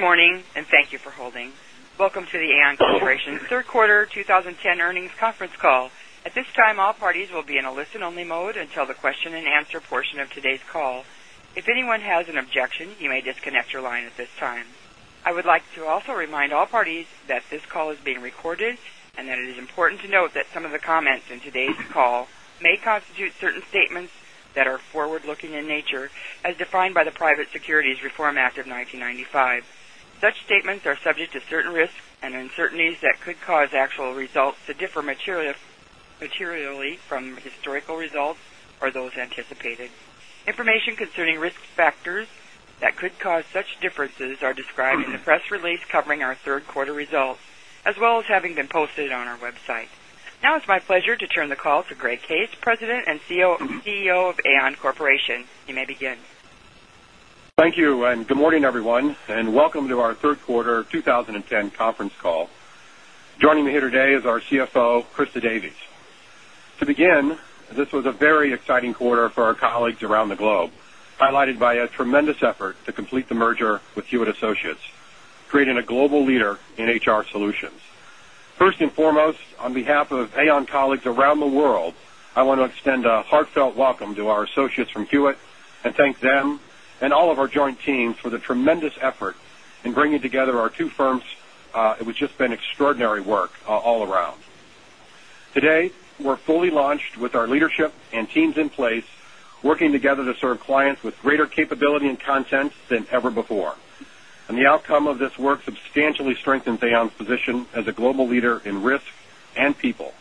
Good morning, thank you for holding. Welcome to the Aon Corporation third quarter 2010 earnings conference call. At this time, all parties will be in a listen-only mode until the question and answer portion of today's call. If anyone has an objection, you may disconnect your line at this time. I would like to also remind all parties that this call is being recorded and that it is important to note that some of the comments in today's call may constitute certain statements that are forward-looking in nature, as defined by the Private Securities Litigation Reform Act of 1995. Such statements are subject to certain risks and uncertainties that could cause actual results to differ materially from historical results or those anticipated. Information concerning risk factors that could cause such differences are described in the press release covering our third quarter results, as well as having been posted on our website. Now it's my pleasure to turn the call to Greg Case, President and CEO of Aon Corporation. You may begin. Thank you, good morning, everyone, and welcome to our third quarter 2010 conference call. Joining me here today is our CFO, Christa Davies. To begin, this was a very exciting quarter for our colleagues around the globe, highlighted by a tremendous effort to complete the merger with Hewitt Associates, creating a global leader in HR solutions. First and foremost, on behalf of Aon colleagues around the world, I want to extend a heartfelt welcome to our associates from Hewitt and thank them and all of our joint teams for the tremendous effort in bringing together our two firms. It has just been extraordinary work all around. Today, we're fully launched with our leadership and teams in place, working together to serve clients with greater capability and content than ever before. The outcome of this work substantially strengthens Aon's position as a global leader in risk and people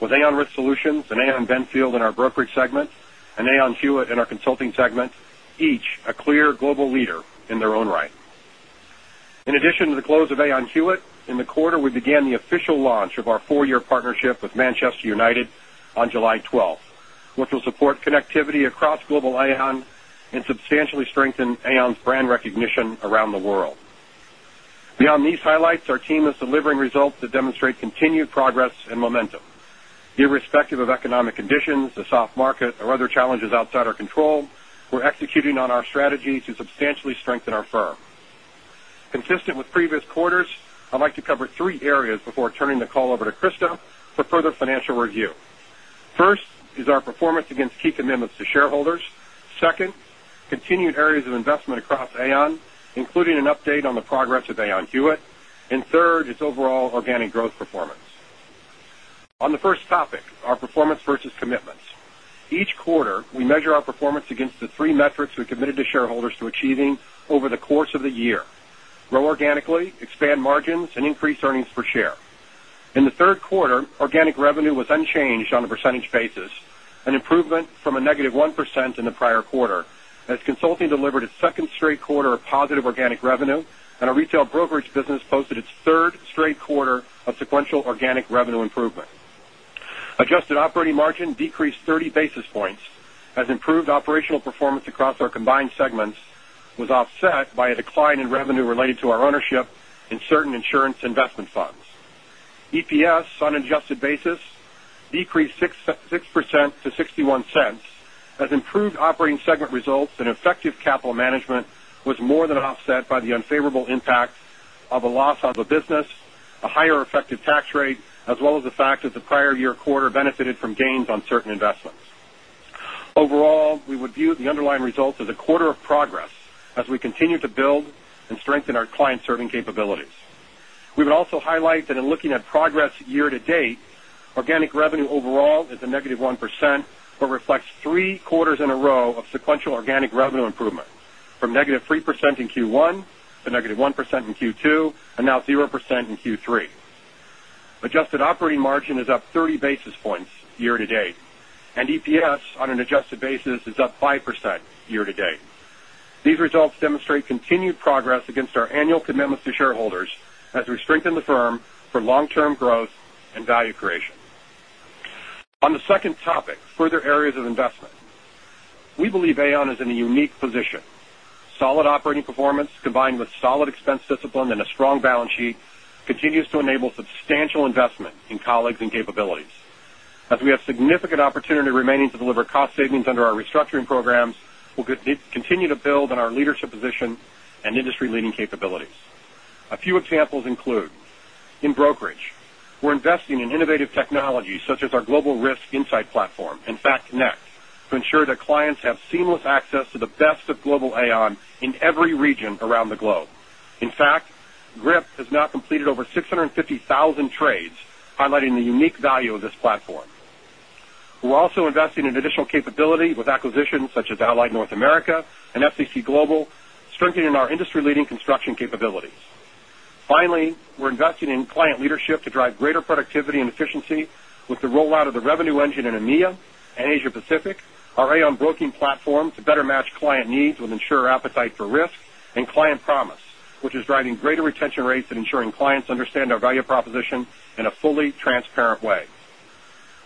with Aon Risk Solutions and Aon Benfield in our brokerage segment and Aon Hewitt in our consulting segment, each a clear global leader in their own right. In addition to the close of Aon Hewitt, in the quarter, we began the official launch of our four-year partnership with Manchester United on July 12th, which will support connectivity across global Aon and substantially strengthen Aon's brand recognition around the world. Beyond these highlights, our team is delivering results that demonstrate continued progress and momentum. Irrespective of economic conditions, the soft market, or other challenges outside our control, we're executing on our strategy to substantially strengthen our firm. Consistent with previous quarters, I'd like to cover three areas before turning the call over to Christa for further financial review. First is our performance against key commitments to shareholders. Second, continued areas of investment across Aon, including an update on the progress of Aon Hewitt. Third, its overall organic growth performance. On the first topic, our performance versus commitments. Each quarter, we measure our performance against the three metrics we committed to shareholders to achieving over the course of the year: grow organically, expand margins, and increase earnings per share. In the third quarter, organic revenue was unchanged on a percentage basis, an improvement from a -1% in the prior quarter, as consulting delivered its second straight quarter of positive organic revenue, and our retail brokerage business posted its third straight quarter of sequential organic revenue improvement. Adjusted operating margin decreased 30 basis points, as improved operational performance across our combined segments was offset by a decline in revenue related to our ownership in certain insurance investment funds. EPS on an adjusted basis decreased 6% to $0.61, as improved operating segment results and effective capital management was more than offset by the unfavorable impact of a loss on the business, a higher effective tax rate, as well as the fact that the prior year quarter benefited from gains on certain investments. Overall, we would view the underlying results as a quarter of progress as we continue to build and strengthen our client-serving capabilities. We would also highlight that in looking at progress year to date, organic revenue overall is a -1%, but reflects three quarters in a row of sequential organic revenue improvement, from -3% in Q1 to -1% in Q2 and now 0% in Q3. Adjusted operating margin is up 30 basis points year to date, and EPS on an adjusted basis is up 5% year to date. These results demonstrate continued progress against our annual commitments to shareholders as we strengthen the firm for long-term growth and value creation. On the second topic, further areas of investment. We believe Aon is in a unique position. Solid operating performance, combined with solid expense discipline and a strong balance sheet, continues to enable substantial investment in colleagues and capabilities. As we have significant opportunity remaining to deliver cost savings under our restructuring programs, we'll continue to build on our leadership position and industry-leading capabilities. A few examples include, in brokerage, we're investing in innovative technology such as our Global Risk Insight Platform and FAConnect to ensure that clients have seamless access to the best of global Aon in every region around the globe. In fact, GRIP has now completed over 650,000 trades, highlighting the unique value of this platform. We're also investing in additional capability with acquisitions such as Allied North America and FCC Global, strengthening our industry-leading construction capabilities. Finally, we're investing in client leadership to drive greater productivity and efficiency with the rollout of the revenue engine in EMEA and Asia Pacific, our Aon Broking platform to better match client needs with insurer appetite for risk, and Client Promise, which is driving greater retention rates and ensuring clients understand our value proposition in a fully transparent way.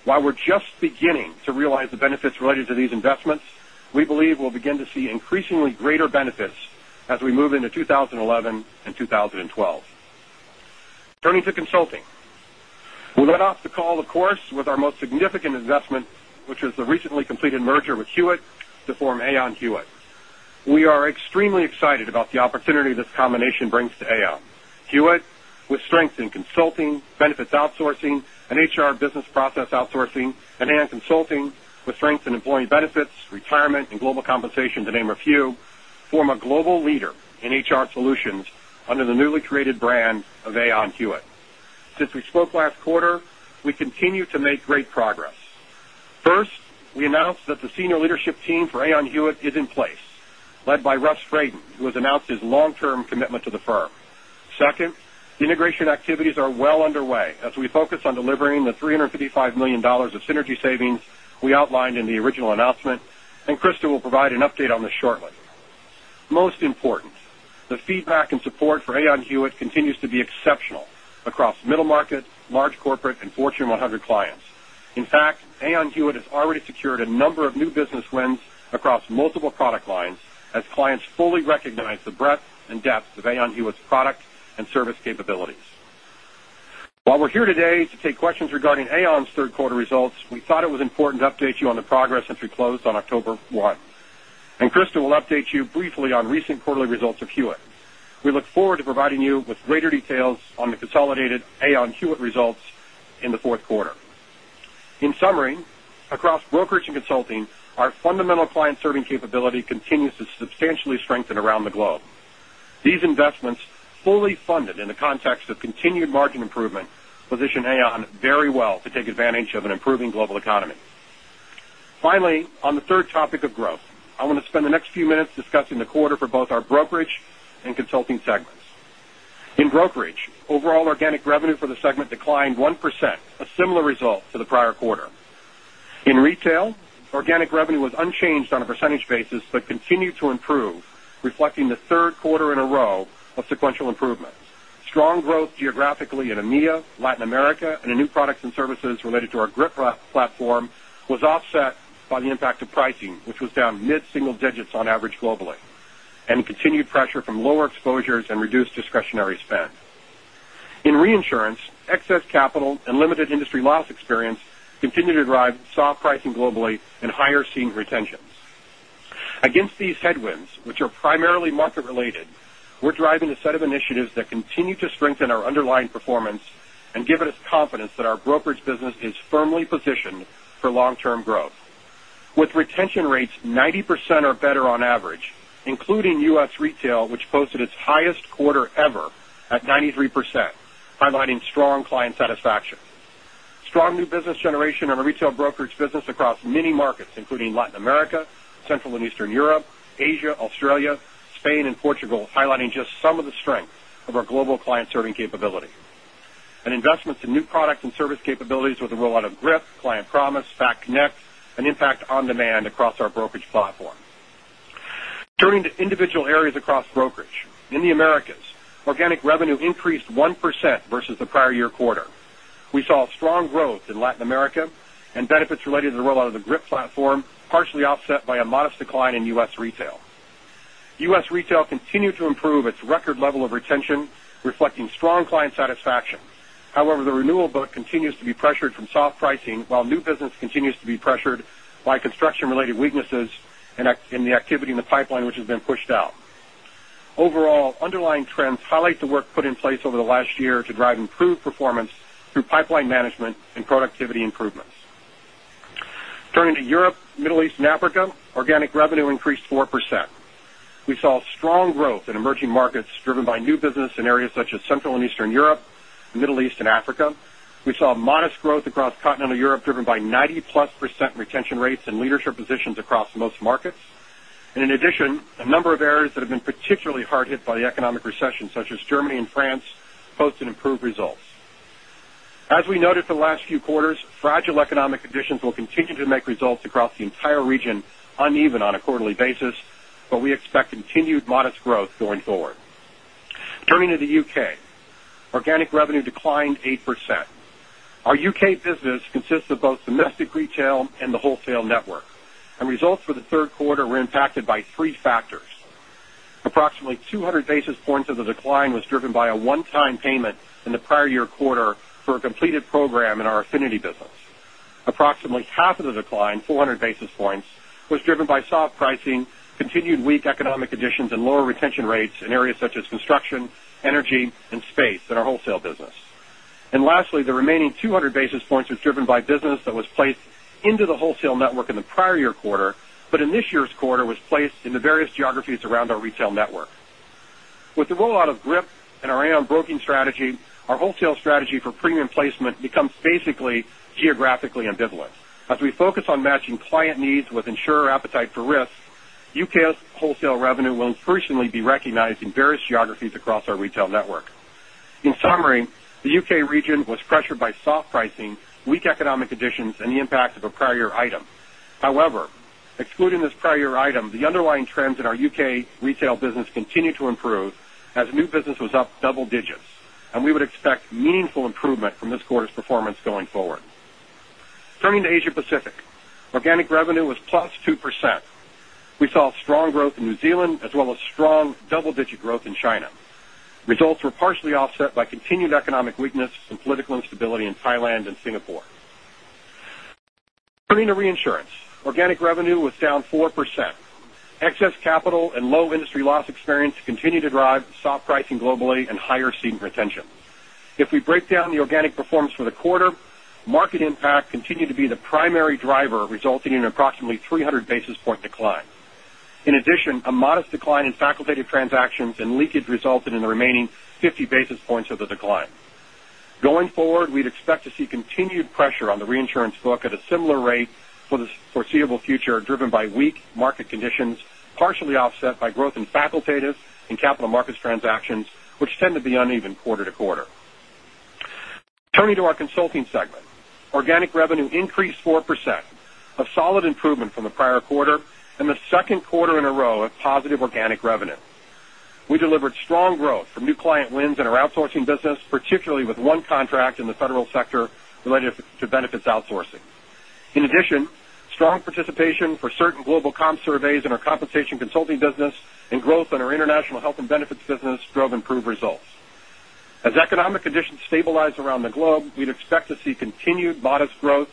While we're just beginning to realize the benefits related to these investments, we believe we'll begin to see increasingly greater benefits as we move into 2011 and 2012. Turning to consulting. We led off the call, of course, with our most significant investment, which was the recently completed merger with Hewitt to form Aon Hewitt. We are extremely excited about the opportunity this combination brings to Aon. Hewitt, with strengths in consulting, benefits outsourcing, and HR business process outsourcing, and Aon Consulting, with strengths in employee benefits, retirement, and global compensation, to name a few, form a global leader in HR solutions under the newly created brand of Aon Hewitt. Since we spoke last quarter, we continue to make great progress. First, we announced that the senior leadership team for Aon Hewitt is in place, led by Russ Fradin, who has announced his long-term commitment to the firm. Second, the integration activities are well underway as we focus on delivering the $355 million of synergy savings we outlined in the original announcement, and Christa will provide an update on this shortly. Most important, the feedback and support for Aon Hewitt continues to be exceptional across middle market, large corporate, and Fortune 100 clients. In fact, Aon Hewitt has already secured a number of new business wins across multiple product lines as clients fully recognize the breadth and depth of Aon Hewitt's product and service capabilities. While we're here today to take questions regarding Aon's third quarter results, we thought it was important to update you on the progress since we closed on October 1. Christa will update you briefly on recent quarterly results of Hewitt. We look forward to providing you with greater details on the consolidated Aon Hewitt results in the fourth quarter. In summary, across brokerage and consulting, our fundamental client-serving capability continues to substantially strengthen around the globe. These investments, fully funded in the context of continued market improvement, position Aon very well to take advantage of an improving global economy. Finally, on the third topic of growth, I want to spend the next few minutes discussing the quarter for both our brokerage and consulting segments. In brokerage, overall organic revenue for the segment declined 1%, a similar result to the prior quarter. In retail, organic revenue was unchanged on a percentage basis but continued to improve, reflecting the third quarter in a row of sequential improvement. Strong growth geographically in EMEA, Latin America, and the new products and services related to our GRIP platform was offset by the impact of pricing, which was down mid-single digits on average globally, and continued pressure from lower exposures and reduced discretionary spend. In reinsurance, excess capital and limited industry loss experience continue to drive soft pricing globally and higher cedent retentions. Against these headwinds, which are primarily market related, we're driving a set of initiatives that continue to strengthen our underlying performance and give us confidence that our brokerage business is firmly positioned for long-term growth. With retention rates 90% or better on average, including U.S. retail, which posted its highest quarter ever at 93%, highlighting strong client satisfaction. Strong new business generation in our retail brokerage business across many markets, including Latin America, Central and Eastern Europe, Asia, Australia, Spain, and Portugal, highlighting just some of the strength of our global client-serving capability. Investments in new product and service capabilities with the rollout of GRIP, Aon Client Promise, FAConnect, and Impact On Demand across our brokerage platform. Turning to individual areas across brokerage. In the Americas, organic revenue increased 1% versus the prior year quarter. We saw strong growth in Latin America and benefits related to the rollout of the GRIP platform, partially offset by a modest decline in U.S. retail. U.S. retail continued to improve its record level of retention, reflecting strong client satisfaction. However, the renewal book continues to be pressured from soft pricing, while new business continues to be pressured by construction-related weaknesses in the activity in the pipeline, which has been pushed out. Overall, underlying trends highlight the work put in place over the last year to drive improved performance through pipeline management and productivity improvements. Turning to Europe, Middle East, and Africa, organic revenue increased 4%. We saw strong growth in emerging markets driven by new business in areas such as Central and Eastern Europe, Middle East, and Africa. We saw modest growth across continental Europe, driven by 90-plus % retention rates and leadership positions across most markets. In addition, a number of areas that have been particularly hard hit by the economic recession, such as Germany and France, posted improved results. As we noted the last few quarters, fragile economic conditions will continue to make results across the entire region uneven on a quarterly basis, but we expect continued modest growth going forward. Turning to the U.K., organic revenue declined 8%. Our U.K. business consists of both domestic retail and the wholesale network, and results for the third quarter were impacted by three factors. Approximately 200 basis points of the decline was driven by a one-time payment in the prior year quarter for a completed program in our affinity business. Approximately half of the decline, 400 basis points, was driven by soft pricing, continued weak economic conditions, and lower retention rates in areas such as construction, energy, and space in our wholesale business. Lastly, the remaining 200 basis points was driven by business that was placed into the wholesale network in the prior year quarter, but in this year's quarter, was placed in the various geographies around our retail network. With the rollout of GRIP and our Aon Broking strategy, our wholesale strategy for premium placement becomes basically geographically ambivalent. As we focus on matching client needs with insurer appetite for risk, U.K.'s wholesale revenue will increasingly be recognized in various geographies across our retail network. In summary, the U.K. region was pressured by soft pricing, weak economic conditions, and the impact of a prior year item. However, excluding this prior year item, the underlying trends in our U.K. retail business continued to improve as new business was up double digits, and we would expect meaningful improvement from this quarter's performance going forward. Turning to Asia Pacific, organic revenue was +2%. We saw strong growth in New Zealand as well as strong double-digit growth in China. Results were partially offset by continued economic weakness and political instability in Thailand and Singapore. Turning to reinsurance, organic revenue was down 4%. Excess capital and low industry loss experience continue to drive soft pricing globally and higher cedent retention. If we break down the organic performance for the quarter, market impact continued to be the primary driver, resulting in approximately 300 basis point decline. In addition, a modest decline in facultative transactions and leakage resulted in the remaining 50 basis points of the decline. Going forward, we'd expect to see continued pressure on the reinsurance book at a similar rate for the foreseeable future, driven by weak market conditions, partially offset by growth in facultative and capital markets transactions, which tend to be uneven quarter to quarter. Turning to our consulting segment, organic revenue increased 4%, a solid improvement from the prior quarter and the second quarter in a row of positive organic revenue. We delivered strong growth from new client wins in our outsourcing business, particularly with one contract in the federal sector related to benefits outsourcing. In addition, strong participation for certain global comp surveys in our compensation consulting business and growth in our international health and benefits business drove improved results. As economic conditions stabilize around the globe, we'd expect to see continued modest growth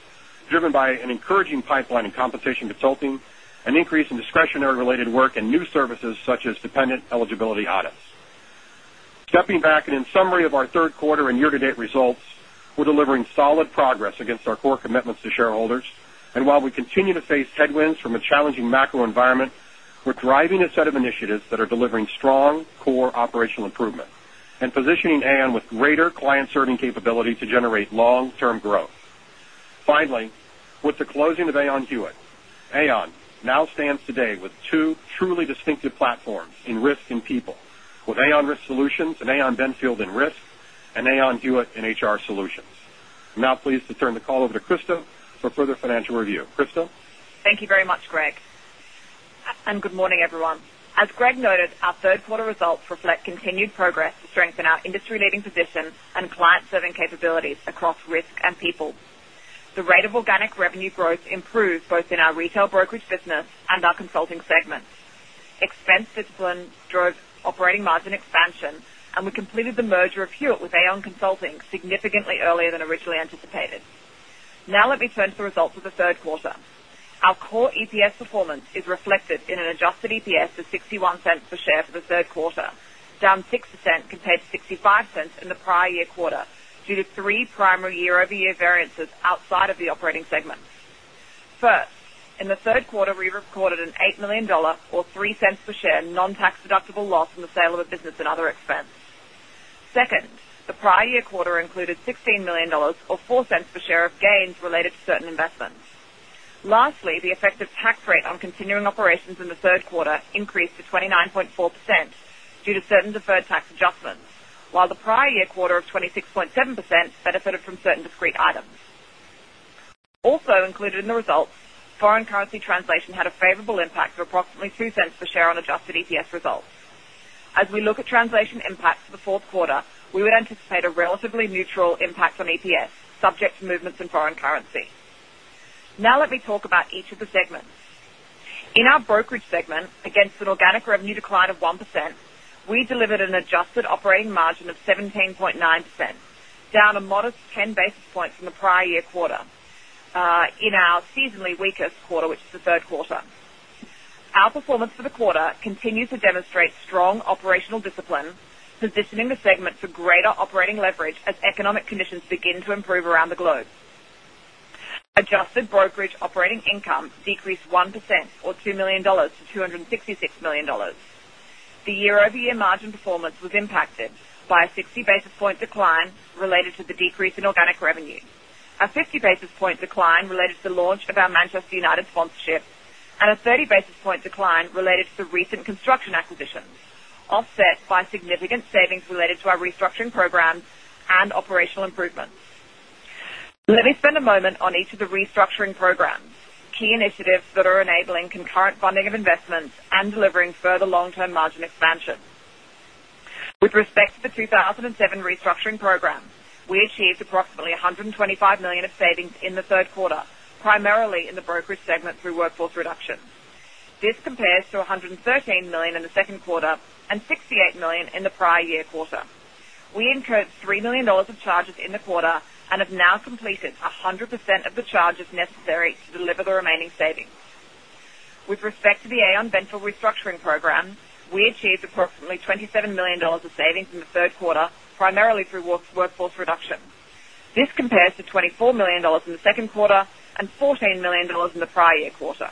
driven by an encouraging pipeline in compensation consulting, an increase in discretionary related work and new services such as dependent eligibility audits. Stepping back and in summary of our third quarter and year-to-date results, we're delivering solid progress against our core commitments to shareholders, while we continue to face headwinds from a challenging macro environment, we're driving a set of initiatives that are delivering strong core operational improvement and positioning Aon with greater client-serving capability to generate long-term growth. Finally, with the closing of Aon Hewitt, Aon now stands today with two truly distinctive platforms in risk and people. With Aon Risk Solutions and Aon Benfield in risk and Aon Hewitt in HR solutions. I'm now pleased to turn the call over to Christa for further financial review. Christa? Thank you very much, Greg, and good morning, everyone. As Greg noted, our third quarter results reflect continued progress to strengthen our industry-leading position and client-serving capabilities across risk and people. The rate of organic revenue growth improved both in our retail brokerage business and our consulting segments. Expense discipline drove operating margin expansion, and we completed the merger of Hewitt with Aon Consulting significantly earlier than originally anticipated. Now let me turn to the results of the third quarter. Our core EPS performance is reflected in an adjusted EPS of $0.61 per share for the third quarter, down 6% compared to $0.65 in the prior year quarter due to three primary year-over-year variances outside of the operating segments. First, in the third quarter, we recorded an $8 million or $0.03 per share non-tax-deductible loss on the sale of a business and other expense. Second, the prior year quarter included $16 million or $0.04 per share of gains related to certain investments. Lastly, the effective tax rate on continuing operations in the third quarter increased to 29.4% due to certain deferred tax adjustments, while the prior year quarter of 26.7% benefited from certain discrete items. Also included in the results, foreign currency translation had a favorable impact of approximately $0.02 per share on adjusted EPS results. As we look at translation impacts for the fourth quarter, we would anticipate a relatively neutral impact on EPS subject to movements in foreign currency. Now let me talk about each of the segments. In our brokerage segment, against an organic revenue decline of 1%, we delivered an adjusted operating margin of 17.9%, down a modest 10 basis points from the prior year quarter in our seasonally weakest quarter, which is the third quarter. Our performance for the quarter continues to demonstrate strong operational discipline, positioning the segment for greater operating leverage as economic conditions begin to improve around the globe. Adjusted brokerage operating income decreased 1% or $2 million to $266 million. The year-over-year margin performance was impacted by a 60 basis point decline related to the decrease in organic revenue. A 50 basis point decline related to the launch of our Manchester United sponsorship and a 30 basis point decline related to recent construction acquisitions, offset by significant savings related to our restructuring programs and operational improvements. Let me spend a moment on each of the restructuring programs, key initiatives that are enabling concurrent funding of investments and delivering further long-term margin expansion. With respect to the 2007 restructuring program, we achieved approximately $125 million of savings in the third quarter, primarily in the brokerage segment through workforce reduction. This compares to $113 million in the second quarter and $68 million in the prior year quarter. We incurred $3 million of charges in the quarter and have now completed 100% of the charges necessary to deliver the remaining savings. With respect to the Aon Benfield restructuring program, we achieved approximately $27 million of savings in the third quarter, primarily through workforce reduction. This compares to $24 million in the second quarter and $14 million in the prior year quarter.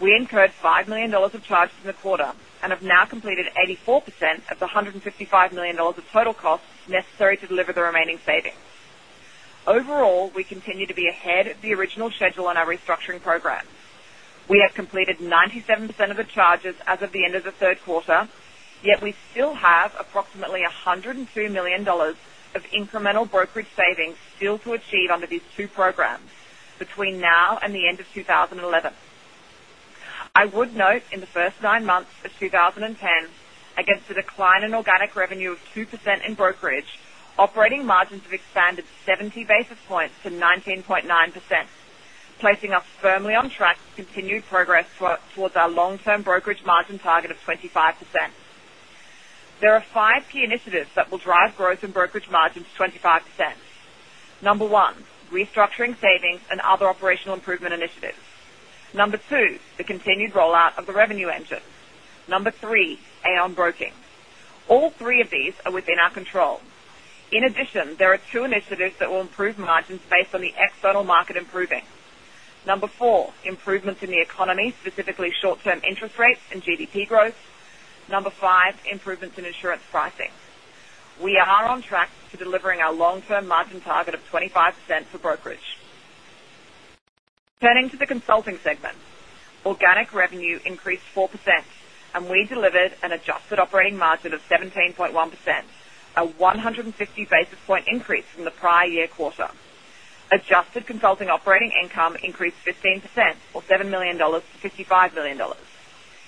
We incurred $5 million of charges in the quarter and have now completed 84% of the $155 million of total costs necessary to deliver the remaining savings. Overall, we continue to be ahead of the original schedule on our restructuring programs. We have completed 97% of the charges as of the end of the third quarter, yet we still have approximately $102 million of incremental brokerage savings still to achieve under these two programs between now and the end of 2011. I would note in the first nine months of 2010, against a decline in organic revenue of 2% in brokerage, operating margins have expanded 70 basis points to 19.9%, placing us firmly on track to continued progress towards our long-term brokerage margin target of 25%. There are five key initiatives that will drive growth in brokerage margin to 25%. Number one, restructuring savings and other operational improvement initiatives. Number two, the continued rollout of the revenue engine. Number three, Aon Broking. All three of these are within our control. In addition, there are two initiatives that will improve margins based on the external market improving. Number four, improvements in the economy, specifically short-term interest rates and GDP growth. Number five, improvements in insurance pricing. We are on track to delivering our long-term margin target of 25% for brokerage. Turning to the consulting segment. Organic revenue increased 4%, and we delivered an adjusted operating margin of 17.1%, a 150 basis point increase from the prior year quarter. Adjusted consulting operating income increased 15% or $7 million to $55 million.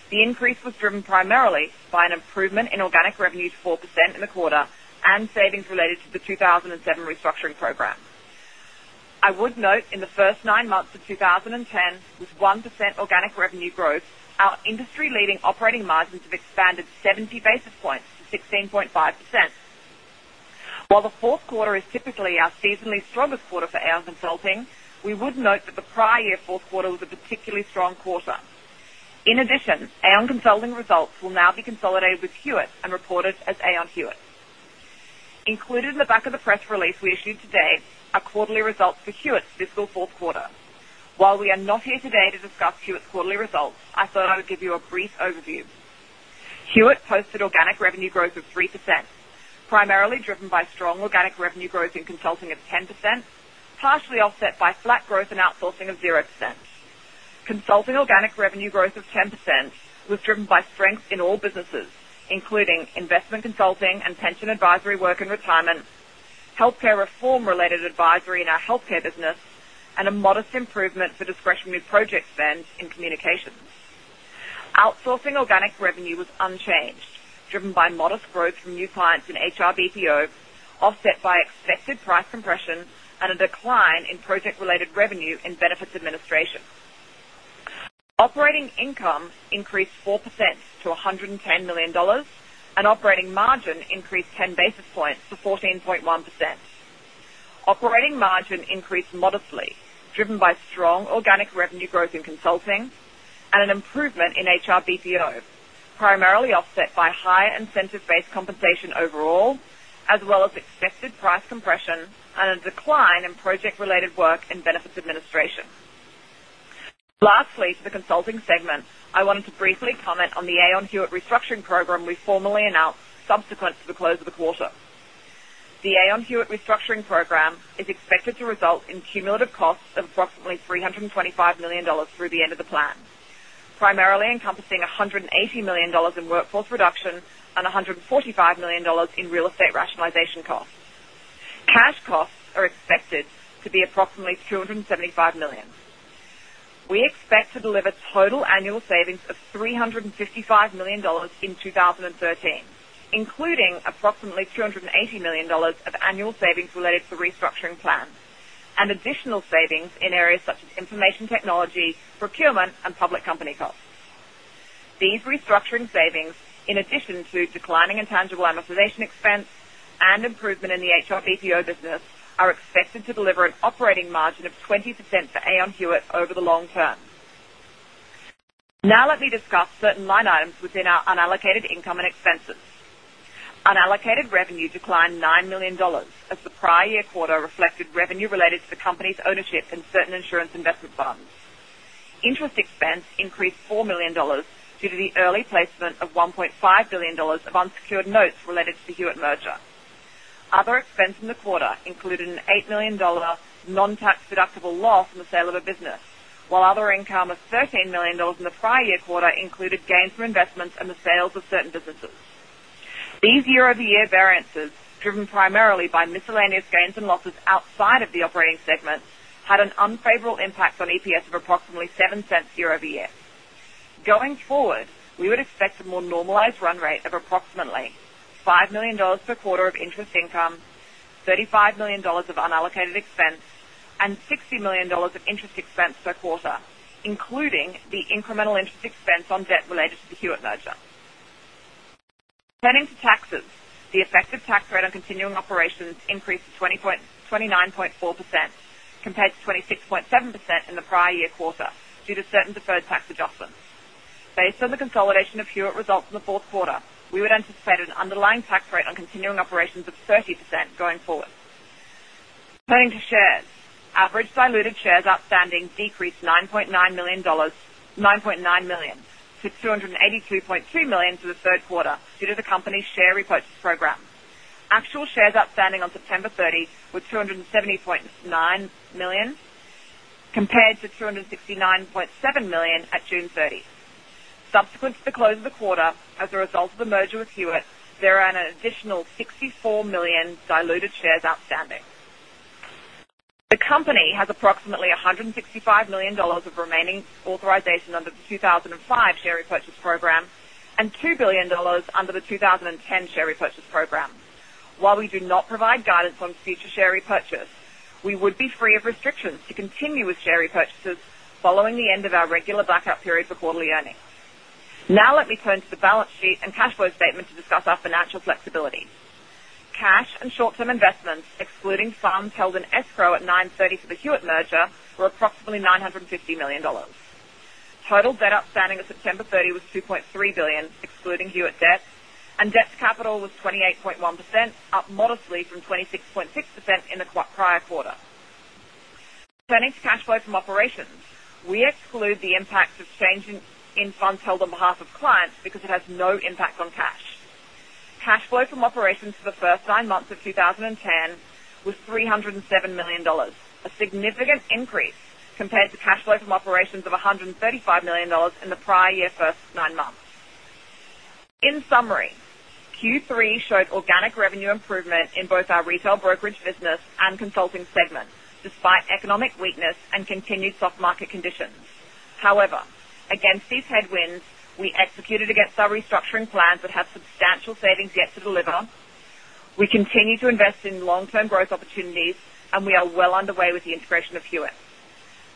The increase was driven primarily by an improvement in organic revenue to 4% in the quarter and savings related to the 2007 restructuring program. I would note in the first nine months of 2010, with 1% organic revenue growth, our industry-leading operating margins have expanded 70 basis points to 16.5%. While the fourth quarter is typically our seasonally strongest quarter for Aon Consulting, we would note that the prior year fourth quarter was a particularly strong quarter. In addition, Aon Consulting results will now be consolidated with Hewitt and reported as Aon Hewitt. Included in the back of the press release we issued today are quarterly results for Hewitt's fiscal fourth quarter. While we are not here today to discuss Hewitt's quarterly results, I thought I would give you a brief overview. Hewitt posted organic revenue growth of 3%, primarily driven by strong organic revenue growth in consulting of 10%, partially offset by flat growth in outsourcing of 0%. Consulting organic revenue growth of 10% was driven by strength in all businesses, including investment consulting and pension advisory work and retirement, healthcare reform related advisory in our healthcare business, and a modest improvement for discretionary project spend in communications. Outsourcing organic revenue was unchanged, driven by modest growth from new clients in HRBPO, offset by expected price compression and a decline in project-related revenue and benefits administration. Operating income increased 4% to $110 million, and operating margin increased 10 basis points to 14.1%. Operating margin increased modestly, driven by strong organic revenue growth in consulting and an improvement in HRBPO, primarily offset by higher incentive-based compensation overall, as well as expected price compression and a decline in project-related work and benefits administration. To the consulting segment, I wanted to briefly comment on the Aon Hewitt restructuring program we formally announced subsequent to the close of the quarter. The Aon Hewitt restructuring program is expected to result in cumulative costs of approximately $325 million through the end of the plan, primarily encompassing $180 million in workforce reduction and $145 million in real estate rationalization costs. Cash costs are expected to be approximately $275 million. We expect to deliver total annual savings of $355 million in 2013, including approximately $280 million of annual savings related to the restructuring plan and additional savings in areas such as information technology, procurement, and public company costs. These restructuring savings, in addition to declining intangible amortization expense and improvement in the HRBPO business, are expected to deliver an operating margin of 20% for Aon Hewitt over the long term. Let me discuss certain line items within our unallocated income and expenses. Unallocated revenue declined $9 million, as the prior year quarter reflected revenue related to the company's ownership in certain insurance investment funds. Interest expense increased $4 million due to the early placement of $1.5 billion of unsecured notes related to the Hewitt merger. Other expense in the quarter included an $8 million non-tax deductible loss on the sale of a business, while other income of $13 million in the prior year quarter included gains from investments and the sales of certain businesses. These year-over-year variances, driven primarily by miscellaneous gains and losses outside of the operating segment, had an unfavorable impact on EPS of approximately $0.07 year-over-year. Going forward, we would expect a more normalized run rate of approximately $5 million per quarter of interest income, $35 million of unallocated expense, and $60 million of interest expense per quarter, including the incremental interest expense on debt related to the Hewitt merger. Turning to taxes. The effective tax rate on continuing operations increased to 29.4%, compared to 26.7% in the prior year quarter, due to certain deferred tax adjustments. Based on the consolidation of Hewitt results in the fourth quarter, we would anticipate an underlying tax rate on continuing operations of 30% going forward. Turning to shares. Average diluted shares outstanding decreased $9.9 million to 282.3 million for the third quarter due to the company's share repurchase program. Actual shares outstanding on September 30 were 270.9 million, compared to 269.7 million at June 30. Subsequent to the close of the quarter, as a result of the merger with Hewitt, there are an additional 64 million diluted shares outstanding. The company has approximately $165 million of remaining authorization under the 2005 share repurchase program and $2 billion under the 2010 share repurchase program. While we do not provide guidance on future share repurchase, we would be free of restrictions to continue with share repurchases following the end of our regular blackout period for quarterly earnings. Now let me turn to the balance sheet and cash flow statement to discuss our financial flexibility. Cash and short-term investments, excluding funds held in escrow at 9/30 for the Hewitt merger, were approximately $950 million. Total debt outstanding as of September 30 was $2.3 billion, excluding Hewitt debt, and debt to capital was 28.1%, up modestly from 26.6% in the prior quarter. Turning to cash flow from operations, we exclude the impact of change in funds held on behalf of clients because it has no impact on cash. Cash flow from operations for the first nine months of 2010 was $307 million, a significant increase compared to cash flow from operations of $135 million in the prior year first nine months. In summary, Q3 showed organic revenue improvement in both our retail brokerage business and consulting segments, despite economic weakness and continued soft market conditions. Against these headwinds, we executed against our restructuring plans that have substantial savings yet to deliver. We continue to invest in long-term growth opportunities, and we are well underway with the integration of Hewitt.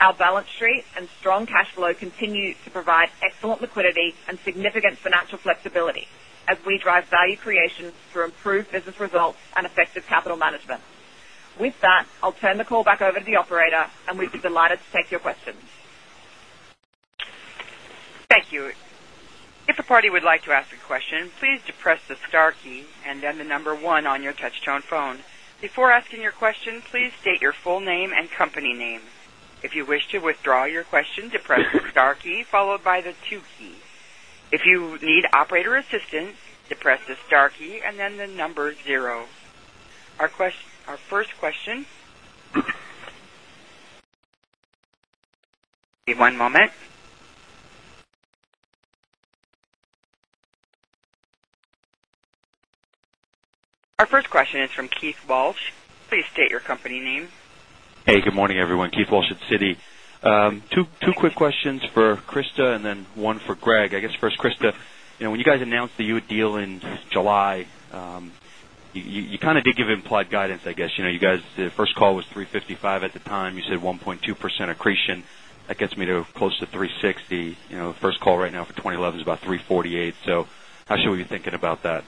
Our balance sheet and strong cash flow continue to provide excellent liquidity and significant financial flexibility as we drive value creation through improved business results and effective capital management. With that, I'll turn the call back over to the operator, and we'd be delighted to take your questions. Thank you. If a party would like to ask a question, please depress the star key and then the number 1 on your touch-tone phone. Before asking your question, please state your full name and company name. If you wish to withdraw your question, depress the star key followed by the 2 key. If you need operator assistance, depress the star key and then the number 0. Our first question. Give one moment. Our first question is from Keith Walsh. Please state your company name. Good morning, everyone. Keith Walsh at Citi. Two quick questions for Christa and then one for Greg. I guess first, Christa, when you guys announced the Hewitt deal in July, you did give implied guidance, I guess. The first call was 355 at the time. You said 1.2% accretion. That gets me to close to 360. The first call right now for 2011 is about 348. How should we be thinking about that?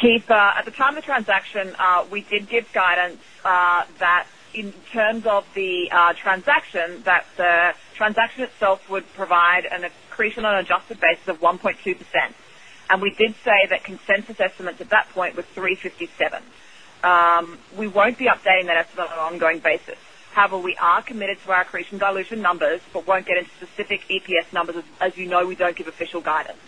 Keith, at the time of the transaction, we did give guidance that in terms of the transaction, that the transaction itself would provide an accretion on an adjusted basis of 1.2%. We did say that consensus estimates at that point were 357. We won't be updating that estimate on an ongoing basis. However, we are committed to our accretion dilution numbers, but won't get into specific EPS numbers. As you know, we don't give official guidance.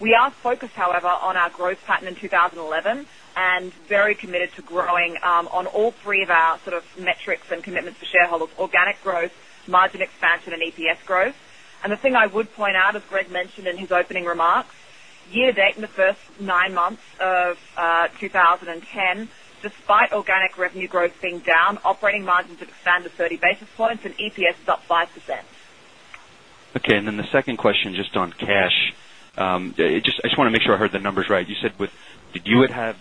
We are focused, however, on our growth pattern in 2011 and very committed to growing on all three of our metrics and commitments to shareholders, organic growth, margin expansion, and EPS growth. The thing I would point out, as Greg mentioned in his opening remarks, year-to-date in the first nine months of 2010, despite organic revenue growth being down, operating margins have expanded 30 basis points, and EPS is up 5%. Okay, the second question just on cash. I just want to make sure I heard the numbers right. You said did Hewitt have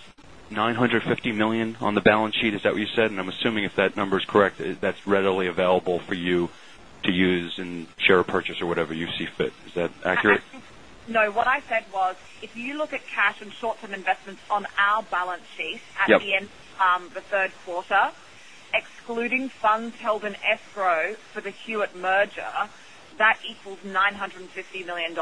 $950 million on the balance sheet? Is that what you said? I'm assuming if that number is correct, that's readily available for you to use in share purchase or whatever you see fit. Is that accurate? No, what I said was if you look at cash and short-term investments on our balance sheet. Yep at the end of the third quarter, excluding funds held in escrow for the Hewitt merger, that equals $950 million.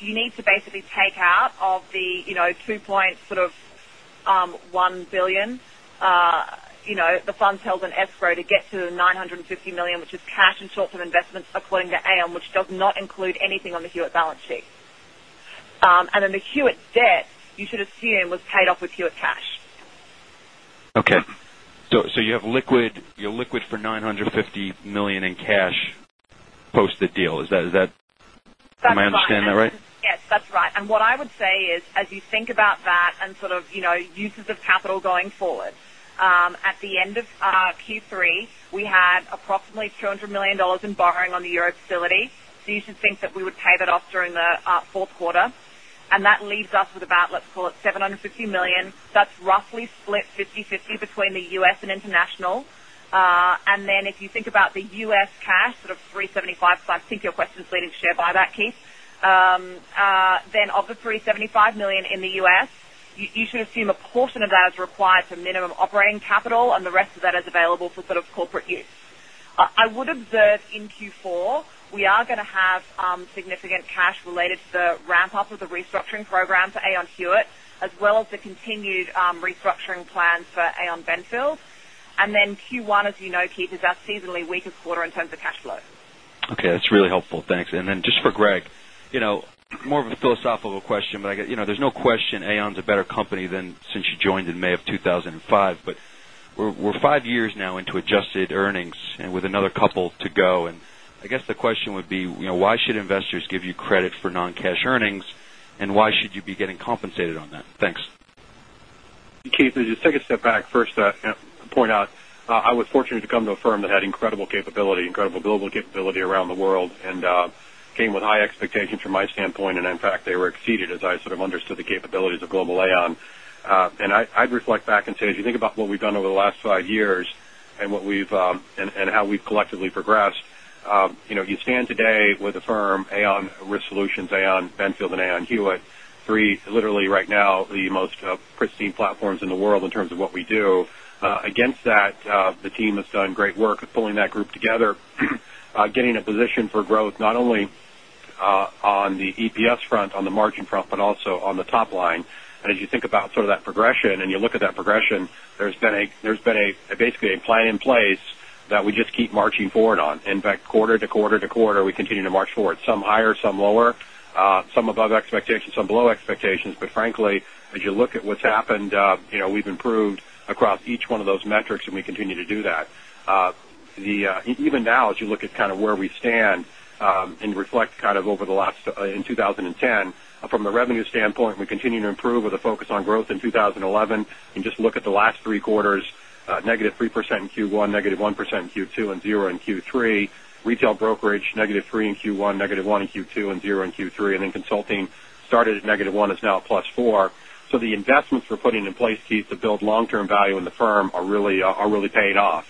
You need to basically take out of the $2.1 billion the funds held in escrow to get to the $950 million, which is cash and short-term investments according to Aon, which does not include anything on the Hewitt balance sheet. The Hewitt debt, you should assume, was paid off with Hewitt cash. Okay. You have liquid for $950 million in cash post the deal. Am I understanding that right? Yes, that's right. What I would say is as you think about that and uses of capital going forward, at the end of Q3, we had approximately $200 million in borrowing on the Euro facility. You should think that we would pay that off during the fourth quarter. That leaves us with about, let's call it $750 million. That's roughly split 50/50 between the U.S. and international. If you think about the U.S. cash, sort of $375 million, because I think your question is leading to share buyback, Keith. Of the $375 million in the U.S., you should assume a portion of that is required for minimum operating capital, and the rest of that is available for corporate use. I would observe in Q4, we are going to have significant cash related to the ramp-up of the restructuring program for Aon Hewitt, as well as the continued restructuring plans for Aon Benfield. Q1, as you know, Keith, is our seasonally weakest quarter in terms of cash flow. Okay, that's really helpful. Thanks. Just for Greg, more of a philosophical question, but there's no question Aon is a better company than since you joined in May of 2005. We're five years now into adjusted earnings, and with another couple to go. I guess the question would be, why should investors give you credit for non-cash earnings? And why should you be getting compensated on that? Thanks. Keith, as you take a step back, first, to point out, I was fortunate to come to a firm that had incredible global capability around the world and came with high expectations from my standpoint. In fact, they were exceeded as I sort of understood the capabilities of global Aon. I'd reflect back and say, as you think about what we've done over the last five years and how we've collectively progressed, you stand today with a firm, Aon Risk Solutions, Aon Benfield, and Aon Hewitt, three, literally right now, the most pristine platforms in the world in terms of what we do. Against that the team has done great work of pulling that group together, getting a position for growth not only on the EPS front, on the margin front, but also on the top line. As you think about that progression, and you look at that progression, there's been basically a plan in place that we just keep marching forward on. In fact, quarter to quarter to quarter, we continue to march forward, some higher, some lower, some above expectations, some below expectations. Frankly, as you look at what's happened, we've improved across each one of those metrics, and we continue to do that. Even now, as you look at where we stand, and reflect over in 2010, from the revenue standpoint, we continue to improve with a focus on growth in 2011. Just look at the last three quarters, negative 3% in Q1, negative 1% in Q2, and zero in Q3. Retail brokerage, negative three in Q1, negative one in Q2, and zero in Q3. Consulting started at negative one, is now at plus four. The investments we're putting in place, Keith Walsh, to build long-term value in the firm are really paying off.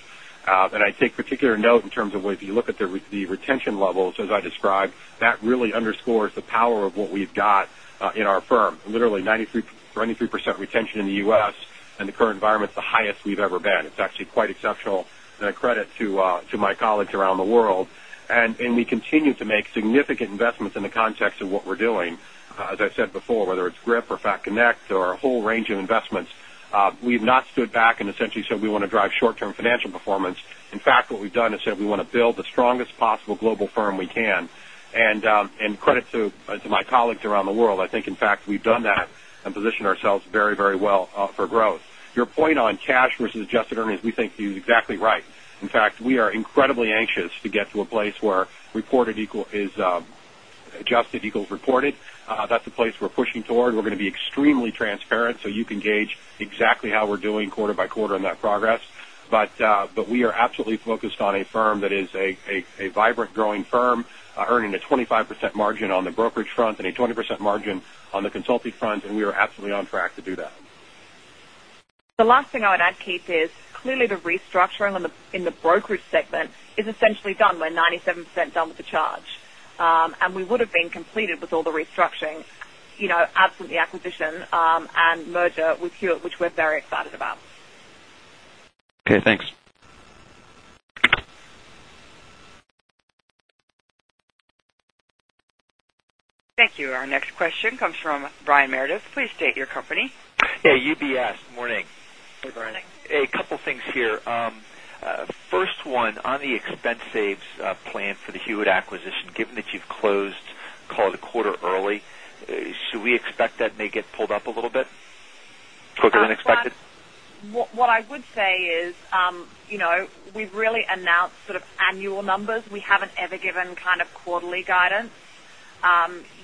I take particular note in terms of if you look at the retention levels as I described, that really underscores the power of what we've got in our firm. Literally 93% retention in the U.S., in the current environment, the highest we've ever been. It's actually quite exceptional, and a credit to my colleagues around the world. We continue to make significant investments in the context of what we're doing. As I said before, whether it's GRIP or FAConnect or a whole range of investments, we've not stood back and essentially said we want to drive short-term financial performance. In fact, what we've done is said we want to build the strongest possible global firm we can. Credit to my colleagues around the world, I think, in fact, we've done that and positioned ourselves very well for growth. Your point on cash versus adjusted earnings, we think you're exactly right. In fact, we are incredibly anxious to get to a place where adjusted equals reported. That's the place we're pushing toward. We're going to be extremely transparent so you can gauge exactly how we're doing quarter by quarter on that progress. We are absolutely focused on a firm that is a vibrant growing firm, earning a 25% margin on the brokerage front and a 20% margin on the consulting front, and we are absolutely on track to do that. The last thing I would add, Keith Walsh, is clearly the restructuring in the brokerage segment is essentially done. We're 97% done with the charge. We would have been completed with all the restructuring, absent the acquisition, and merger with Hewitt, which we're very excited about. Okay, thanks. Thank you. Our next question comes from Brian Meredith. Please state your company. Yeah, UBS. Morning. Good morning. A couple things here. First one, on the expense saves plan for the Hewitt acquisition, given that you've closed call it a quarter early, should we expect that may get pulled up a little bit quicker than expected? What I would say is we've really announced sort of annual numbers. We haven't ever given kind of quarterly guidance.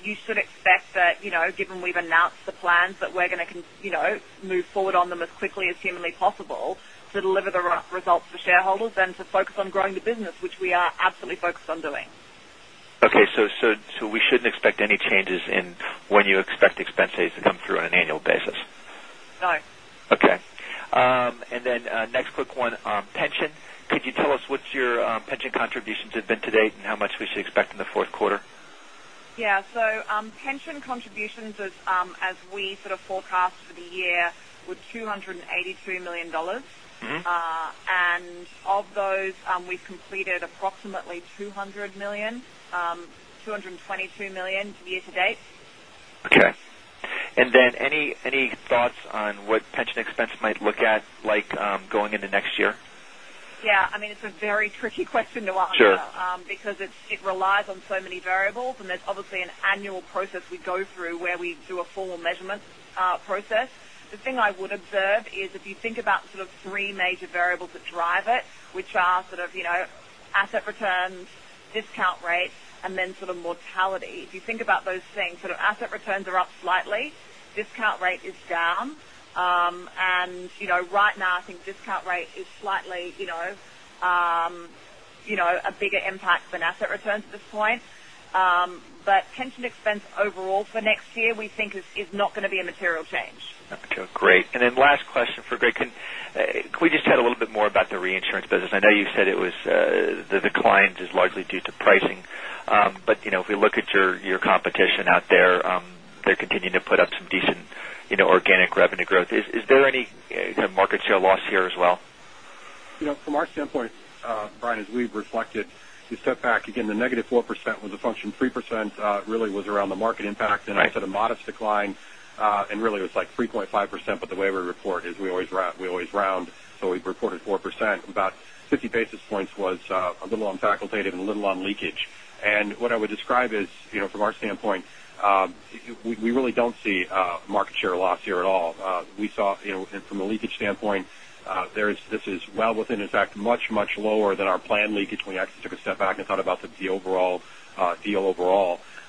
You should expect that, given we've announced the plans, that we're going to move forward on them as quickly as humanly possible to deliver the right results for shareholders and to focus on growing the business, which we are absolutely focused on doing. Okay, we shouldn't expect any changes in when you expect expense saves to come through on an annual basis? No. Okay. Next quick one, pension. Could you tell us what your pension contributions have been to date and how much we should expect in the fourth quarter? Yeah. Pension contributions as we sort of forecast for the year were $283 million. Of those, we've completed approximately $222 million year to date. Okay. Any thoughts on what pension expense might look at like going into next year? Yeah, it's a very tricky question to answer. Sure It relies on so many variables, and there's obviously an annual process we go through where we do a formal measurement process. The thing I would observe is if you think about sort of three major variables that drive it, which are sort of asset returns, discount rates, and then sort of mortality. If you think about those things, asset returns are up slightly. Discount rate is down. Right now, I think discount rate is slightly a bigger impact than asset returns at this point. Pension expense overall for next year, we think is not going to be a material change. Okay, great. Last question for Greg. Can we just chat a little bit more about the reinsurance business? I know you said the decline is largely due to pricing. If we look at your competition out there, they're continuing to put up some decent organic revenue growth. Is there any market share loss here as well? From our standpoint, Brian, as we've reflected, to step back again, the negative 4% was a function, 3% really was around the market impact. Right. I said a modest decline, and really it was like 3.5%, but the way we report is we always round. We reported 4%, about 50 basis points was a little on facultative and a little on leakage. What I would describe is, from our standpoint, we really don't see market share loss here at all. We saw from a leakage standpoint, this is well within, in fact, much, much lower than our planned leakage when we actually took a step back and thought about the overall deal.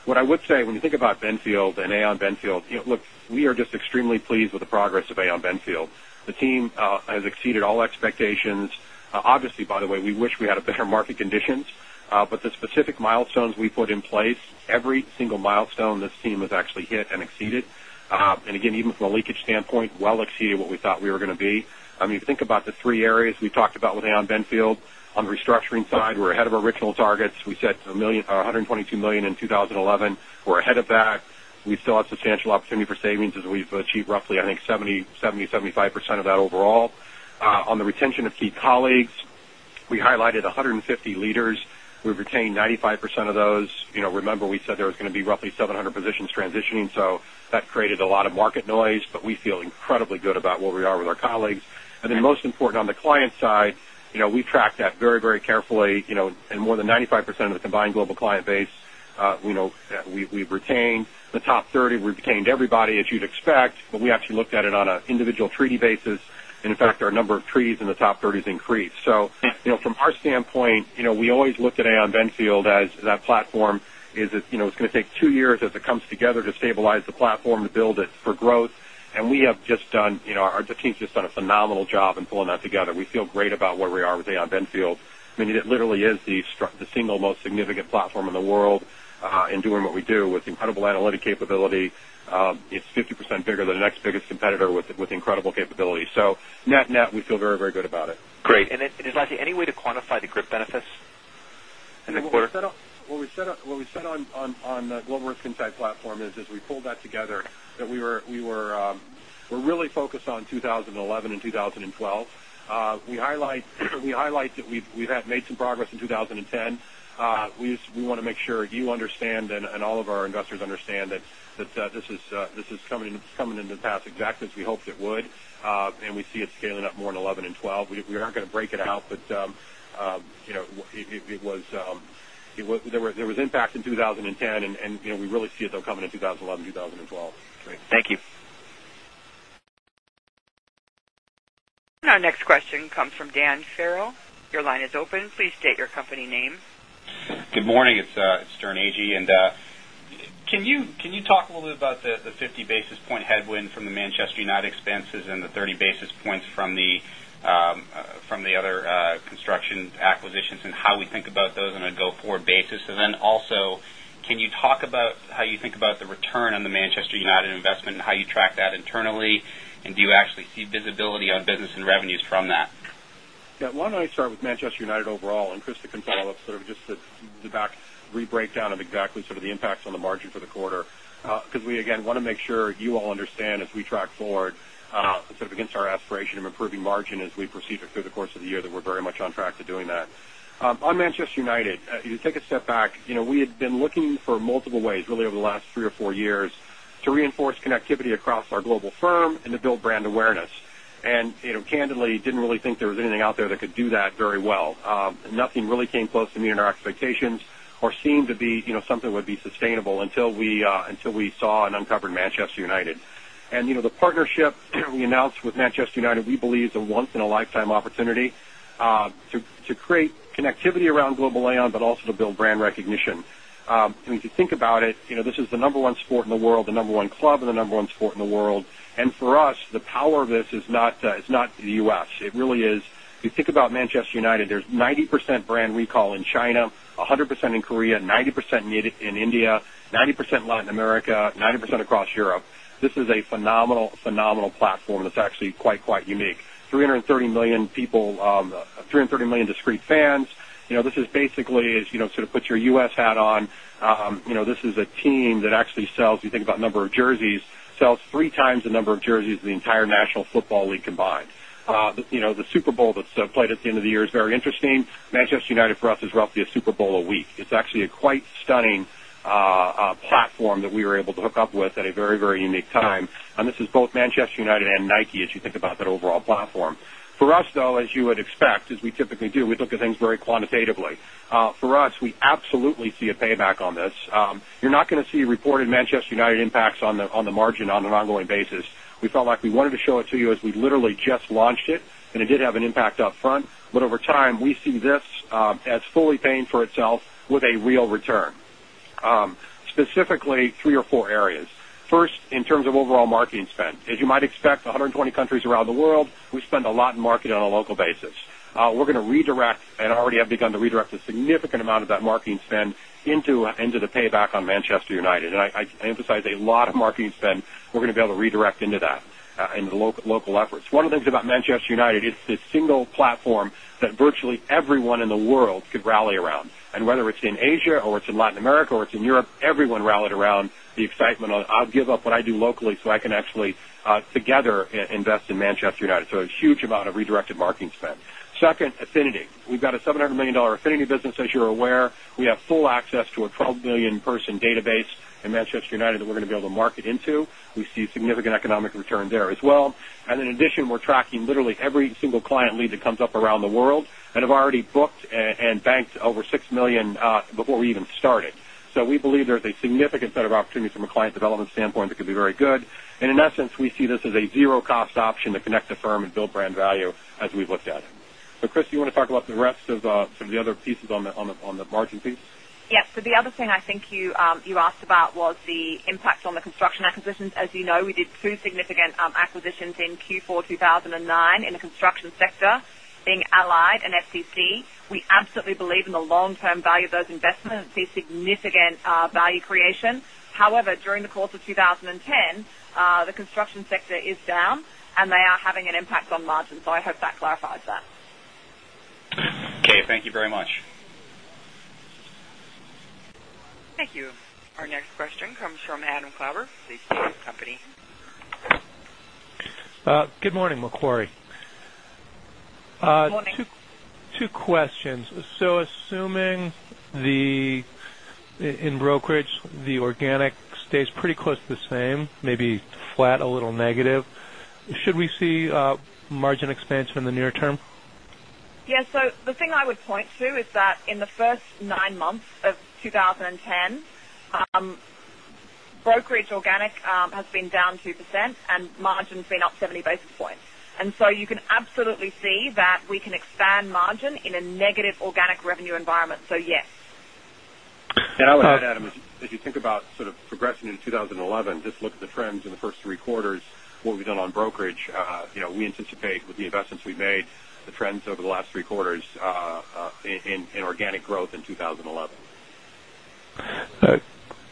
What I would say, when you think about Benfield and Aon Benfield, look, we are just extremely pleased with the progress of Aon Benfield. The team has exceeded all expectations. Obviously, by the way, we wish we had better market conditions. The specific milestones we put in place, every single milestone, this team has actually hit and exceeded. Again, even from a leakage standpoint, well exceeded what we thought we were going to be. Think about the three areas we talked about with Aon Benfield. On the restructuring side, we're ahead of our original targets. We set $122 million in 2011. We're ahead of that. We still have substantial opportunity for savings, as we've achieved roughly, I think, 70%-75% of that overall. On the retention of key colleagues, we highlighted 150 leaders. We've retained 95% of those. Remember we said there was going to be roughly 700 positions transitioning, so that created a lot of market noise, but we feel incredibly good about where we are with our colleagues. Most important on the client side, we tracked that very, very carefully. More than 95% of the combined global client base, we've retained. The top 30, we've retained everybody as you'd expect, but we actually looked at it on an individual treaty basis. In fact, our number of treaties in the top 30 has increased. From our standpoint, we always looked at Aon Benfield as that platform. It's going to take 2 years as it comes together to stabilize the platform to build it for growth. The team's just done a phenomenal job in pulling that together. We feel great about where we are with Aon Benfield. It literally is the single most significant platform in the world in doing what we do with incredible analytic capability. It's 50% bigger than the next biggest competitor with incredible capability. Net-net, we feel very, very good about it. Great. Is there any way to quantify the group benefits in the quarter? What we said on the Global Risk Insight Platform is, as we pulled that together, that we're really focused on 2011 and 2012. We highlight that we've made some progress in 2010. We want to make sure you understand and all of our investors understand that this is coming in the past exactly as we hoped it would. We see it scaling up more in 2011 and 2012. We are not going to break it out, but there was impact in 2010, and we really see it, though, coming in 2011, 2012. Great. Thank you. Our next question comes from Dan Farrell. Your line is open. Please state your company name. Good morning. It's Sterne Agee. Can you talk a little bit about the 50 basis point headwind from the Manchester United expenses and the 30 basis points from the other construction acquisitions and how we think about those on a go-forward basis? Also, can you talk about how you think about the return on the Manchester United investment and how you track that internally, and do you actually see visibility on business and revenues from that? Yeah. Why don't I start with Manchester United overall, and Christa can follow up just the back re-breakdown of exactly the impacts on the margin for the quarter. We, again, want to make sure you all understand as we track forward, against our aspiration of improving margin as we proceed through the course of the year, that we're very much on track to doing that. On Manchester United, you take a step back, we had been looking for multiple ways, really over the last three or four years, to reinforce connectivity across our global firm and to build brand awareness. Candidly, didn't really think there was anything out there that could do that very well. Nothing really came close to meeting our expectations or seemed to be something that would be sustainable until we saw and uncovered Manchester United. The partnership we announced with Manchester United, we believe, is a once in a lifetime opportunity to create connectivity around global Aon, but also to build brand recognition. If you think about it, this is the number one sport in the world, the number one club in the number one sport in the world. For us, the power of this is not the U.S. If you think about Manchester United, there's 90% brand recall in China, 100% in Korea, 90% in India, 90% Latin America, 90% across Europe. This is a phenomenal platform that's actually quite unique. 330 million discrete fans. This is basically, sort of put your U.S. hat on, this is a team that actually sells, if you think about number of jerseys, sells three times the number of jerseys of the entire National Football League combined. The Super Bowl that is played at the end of the year is very interesting. Manchester United for us is roughly a Super Bowl a week. It is actually a quite stunning platform that we were able to hook up with at a very, very unique time. This is both Manchester United and Nike, as you think about that overall platform. For us, though, as you would expect, as we typically do, we look at things very quantitatively. For us, we absolutely see a payback on this. You are not going to see reported Manchester United impacts on the margin on an ongoing basis. We felt like we wanted to show it to you as we literally just launched it, and it did have an impact up front. Over time, we see this as fully paying for itself with a real return. Specifically three or four areas. First, in terms of overall marketing spend. As you might expect, 120 countries around the world, we spend a lot in marketing on a local basis. We are going to redirect and already have begun to redirect a significant amount of that marketing spend into the payback on Manchester United. I emphasize a lot of marketing spend we are going to be able to redirect into that, into the local efforts. One of the things about Manchester United, it is this single platform that virtually everyone in the world could rally around. Whether it is in Asia or it is in Latin America or it is in Europe, everyone rallied around the excitement of, I will give up what I do locally so I can actually together invest in Manchester United. A huge amount of redirected marketing spend. Second, affinity. We have got a $700 million affinity business, as you are aware. We have full access to a 12 million person database in Manchester United that we are going to be able to market into. We see significant economic return there as well. In addition, we are tracking literally every single client lead that comes up around the world and have already booked and banked over six million before we even started. We believe there is a significant set of opportunities from a client development standpoint that could be very good. In essence, we see this as a zero-cost option to connect the firm and build brand value as we have looked at it. Christa, do you want to talk about the rest of some of the other pieces on the margin piece? Yes. The other thing I think you asked about was the impact on the construction acquisitions. As you know, we did two significant acquisitions in Q4 2009 in the construction sector, being Allied and FCC. We absolutely believe in the long-term value of those investments, see significant value creation. However, during the course of 2010, the construction sector is down, and they are having an impact on margins. I hope that clarifies that. Okay. Thank you very much. Thank you. Our next question comes from Adam Klauber, Macquarie Good morning, Macquarie. Morning. Two questions. Assuming in brokerage, the organic stays pretty close to the same, maybe flat, a little negative, should we see margin expansion in the near term? Yeah. The thing I would point to is that in the first nine months of 2010, brokerage organic has been down 2% and margin's been up 70 basis points. You can absolutely see that we can expand margin in a negative organic revenue environment. Yes. I would add, Adam, as you think about progression into 2011, just look at the trends in the first three quarters, what we've done on brokerage. We anticipate with the investments we've made, the trends over the last three quarters in organic growth in 2011.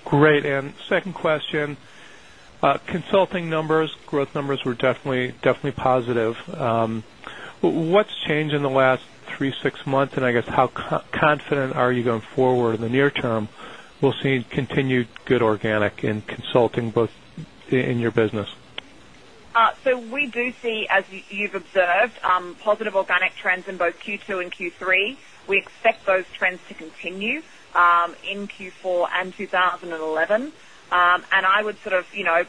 Great. Second question, consulting numbers, growth numbers were definitely positive. What's changed in the last three, six months, and I guess how confident are you going forward in the near term we'll see continued good organic in consulting, both in your business? We do see, as you've observed, positive organic trends in both Q2 and Q3. We expect those trends to continue in Q4 and 2011. I would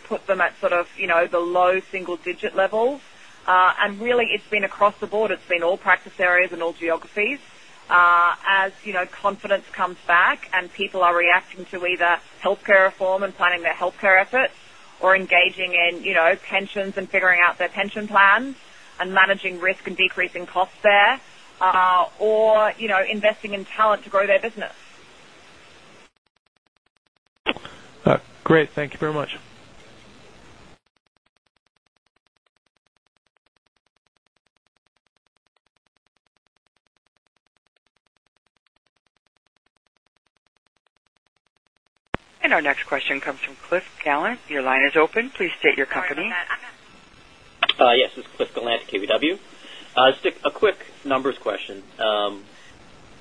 put them at the low single-digit levels. Really, it's been across the board. It's been all practice areas and all geographies. As confidence comes back and people are reacting to either healthcare reform and planning their healthcare efforts or engaging in pensions and figuring out their pension plans and managing risk and decreasing costs there, or investing in talent to grow their business. Great. Thank you very much. Our next question comes from Cliff Gallant. Your line is open. Please state your company. Yes, this is Cliff Gallant, KBW. Just a quick numbers question.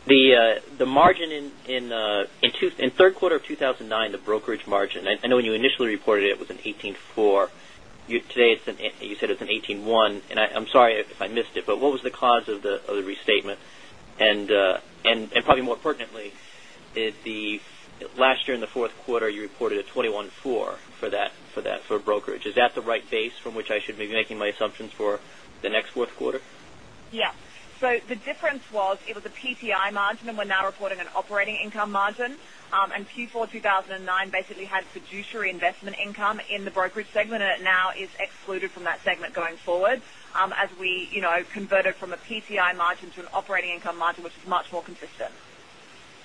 The margin in third quarter of 2009, the brokerage margin, I know when you initially reported it was an 18.4%. Today, you said it's an 18.1%. I'm sorry if I missed it, but what was the cause of the restatement? Probably more pertinently, last year in the fourth quarter, you reported a 21.4% for brokerage. Is that the right base from which I should be making my assumptions for the next fourth quarter? The difference was it was a PTI margin. We're now reporting an operating income margin. Q4 2009 basically had fiduciary investment income in the brokerage segment. It now is excluded from that segment going forward as we converted from a PTI margin to an operating income margin, which is much more consistent.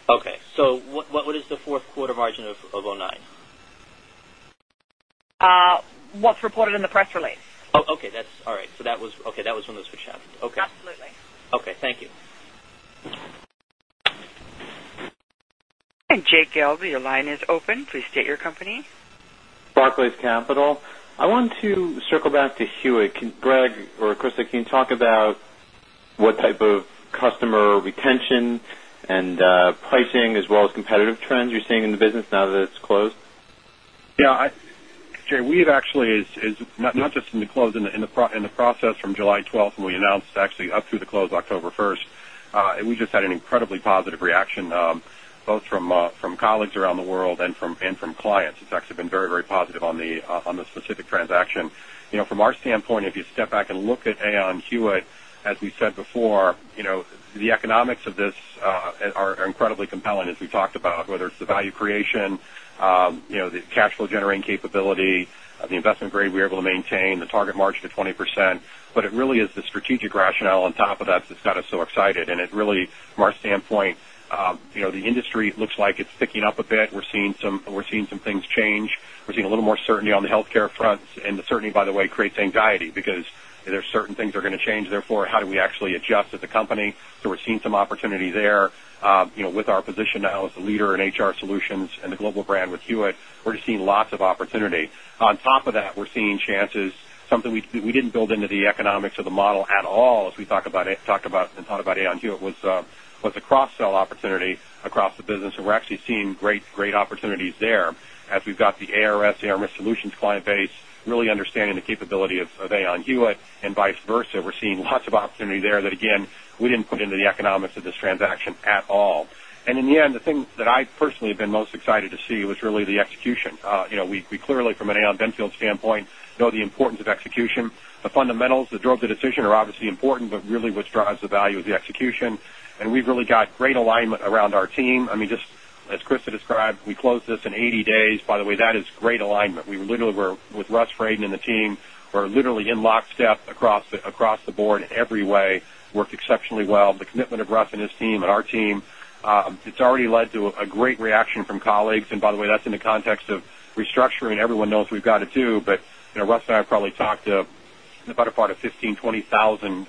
Okay. What is the fourth quarter margin of 2009? What's reported in the press release. Oh, okay. All right. That was one of the switch outs. Okay. Absolutely. Okay. Thank you. Jay Gelb, your line is open. Please state your company. Barclays Capital. I want to circle back to Hewitt. Greg or Christa, can you talk about what type of customer retention and pricing as well as competitive trends you're seeing in the business now that it's closed? Yeah. Jay, we have actually, not just in the close, in the process from July 12th when we announced, it's actually up through the close October 1st. We just had an incredibly positive reaction both from colleagues around the world and from clients. It's actually been very positive on the specific transaction. From our standpoint, if you step back and look at Aon Hewitt, as we said before, the economics of this are incredibly compelling as we talked about, whether it's the value creation, the cash flow generating capability, the investment grade we are able to maintain, the target margin of 20%. It really is the strategic rationale on top of that that's got us so excited. It really, from our standpoint, the industry looks like it's ticking up a bit. We're seeing some things change. We're seeing a little more certainty on the healthcare front. The certainty, by the way, creates anxiety because there's certain things that are going to change. Therefore, how do we actually adjust as a company? We're seeing some opportunity there. With our position now as the leader in HR solutions and the global brand with Hewitt, we're seeing lots of opportunity. On top of that, we're seeing chances. Something we didn't build into the economics of the model at all as we talked about Aon Hewitt was the cross-sell opportunity across the business. We're actually seeing great opportunities there as we've got the ARS, Aon Risk Solutions client base really understanding the capability of Aon Hewitt and vice versa. We're seeing lots of opportunity there that, again, we didn't put into the economics of this transaction at all. In the end, the thing that I personally have been most excited to see was really the execution. We clearly, from an Aon Benfield standpoint, know the importance of execution. The fundamentals that drove the decision are obviously important, but really what drives the value is the execution. We've really got great alignment around our team. As Christa described, we closed this in 80 days. By the way, that is great alignment. With Russ Fradin and the team, we're literally in lockstep across the board in every way. Worked exceptionally well. The commitment of Russ and his team and our team, it's already led to a great reaction from colleagues. By the way, that's in the context of restructuring. Everyone knows we've got to, too. Russ and I have probably talked to the better part of 15,000, 20,000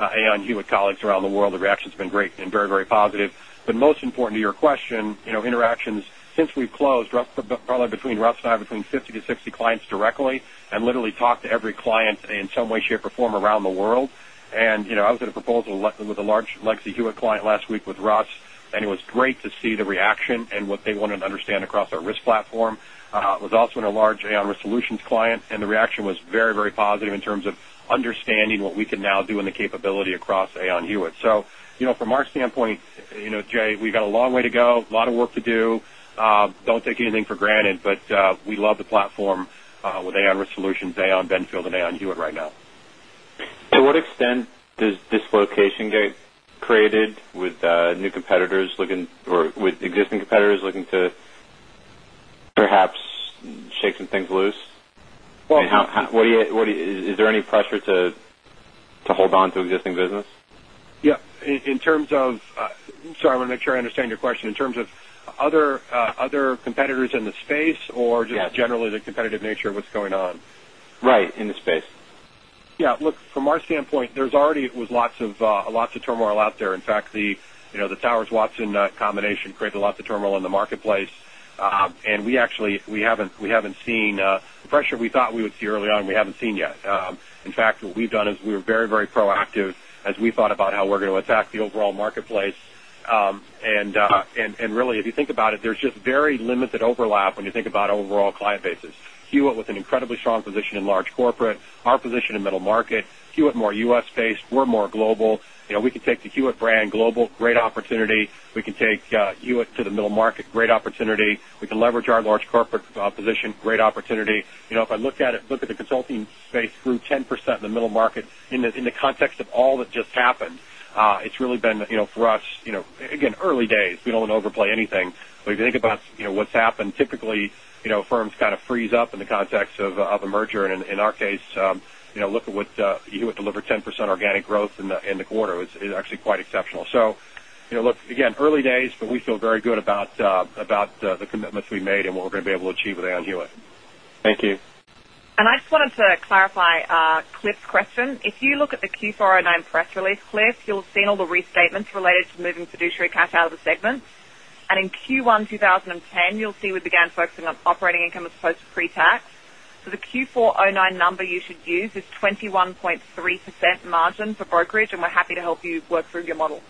Aon Hewitt colleagues around the world. The reaction's been great and very positive. Most important to your question, interactions since we've closed, probably between Russ and I, between 50-60 clients directly, and literally talked to every client in some way, shape, or form around the world. I was at a proposal with a large legacy Hewitt client last week with Russ, and it was great to see the reaction and what they wanted to understand across our risk platform. Was also in a large Aon Risk Solutions client, the reaction was very positive in terms of understanding what we can now do and the capability across Aon Hewitt. From our standpoint, Jay, we've got a long way to go, a lot of work to do. Don't take anything for granted, we love the platform with Aon Risk Solutions, Aon Benfield, and Aon Hewitt right now. To what extent does dislocation get created with existing competitors looking to perhaps shake some things loose? Well- Is there any pressure to hold on to existing business? Yeah. Sorry, I want to make sure I understand your question. In terms of other competitors in the space, or just- Yes generally the competitive nature of what's going on? Right, in the space. Yeah. Look, from our standpoint, there's already was lots of turmoil out there. In fact, the Towers Watson combination created lots of turmoil in the marketplace. We actually haven't seen pressure we thought we would see early on, we haven't seen yet. In fact, what we've done is we were very proactive as we thought about how we're going to attack the overall marketplace. Really, if you think about it, there's just very limited overlap when you think about overall client bases. Hewitt with an incredibly strong position in large corporate, our position in middle market. Hewitt more U.S.-based, we're more global. We can take the Hewitt brand global, great opportunity. We can take Hewitt to the middle market, great opportunity. We can leverage our large corporate position, great opportunity. If I look at the consulting space grew 10% in the middle market in the context of all that just happened, it's really been, for us, again, early days. We don't want to overplay anything. If you think about what's happened, typically, firms kind of freeze up in the context of a merger. In our case, Hewitt delivered 10% organic growth in the quarter, is actually quite exceptional. Look, again, early days, but we feel very good about the commitments we made and what we're going to be able to achieve with Aon Hewitt. Thank you. I just wanted to clarify Cliff's question. If you look at the Q4 2009 press release, Cliff, you'll have seen all the restatements related to moving fiduciary cash out of the segment. In Q1 2010, you'll see we began focusing on operating income as opposed to pre-tax. The Q4 2009 number you should use is 21.3% margin for brokerage, and we're happy to help you work through your model.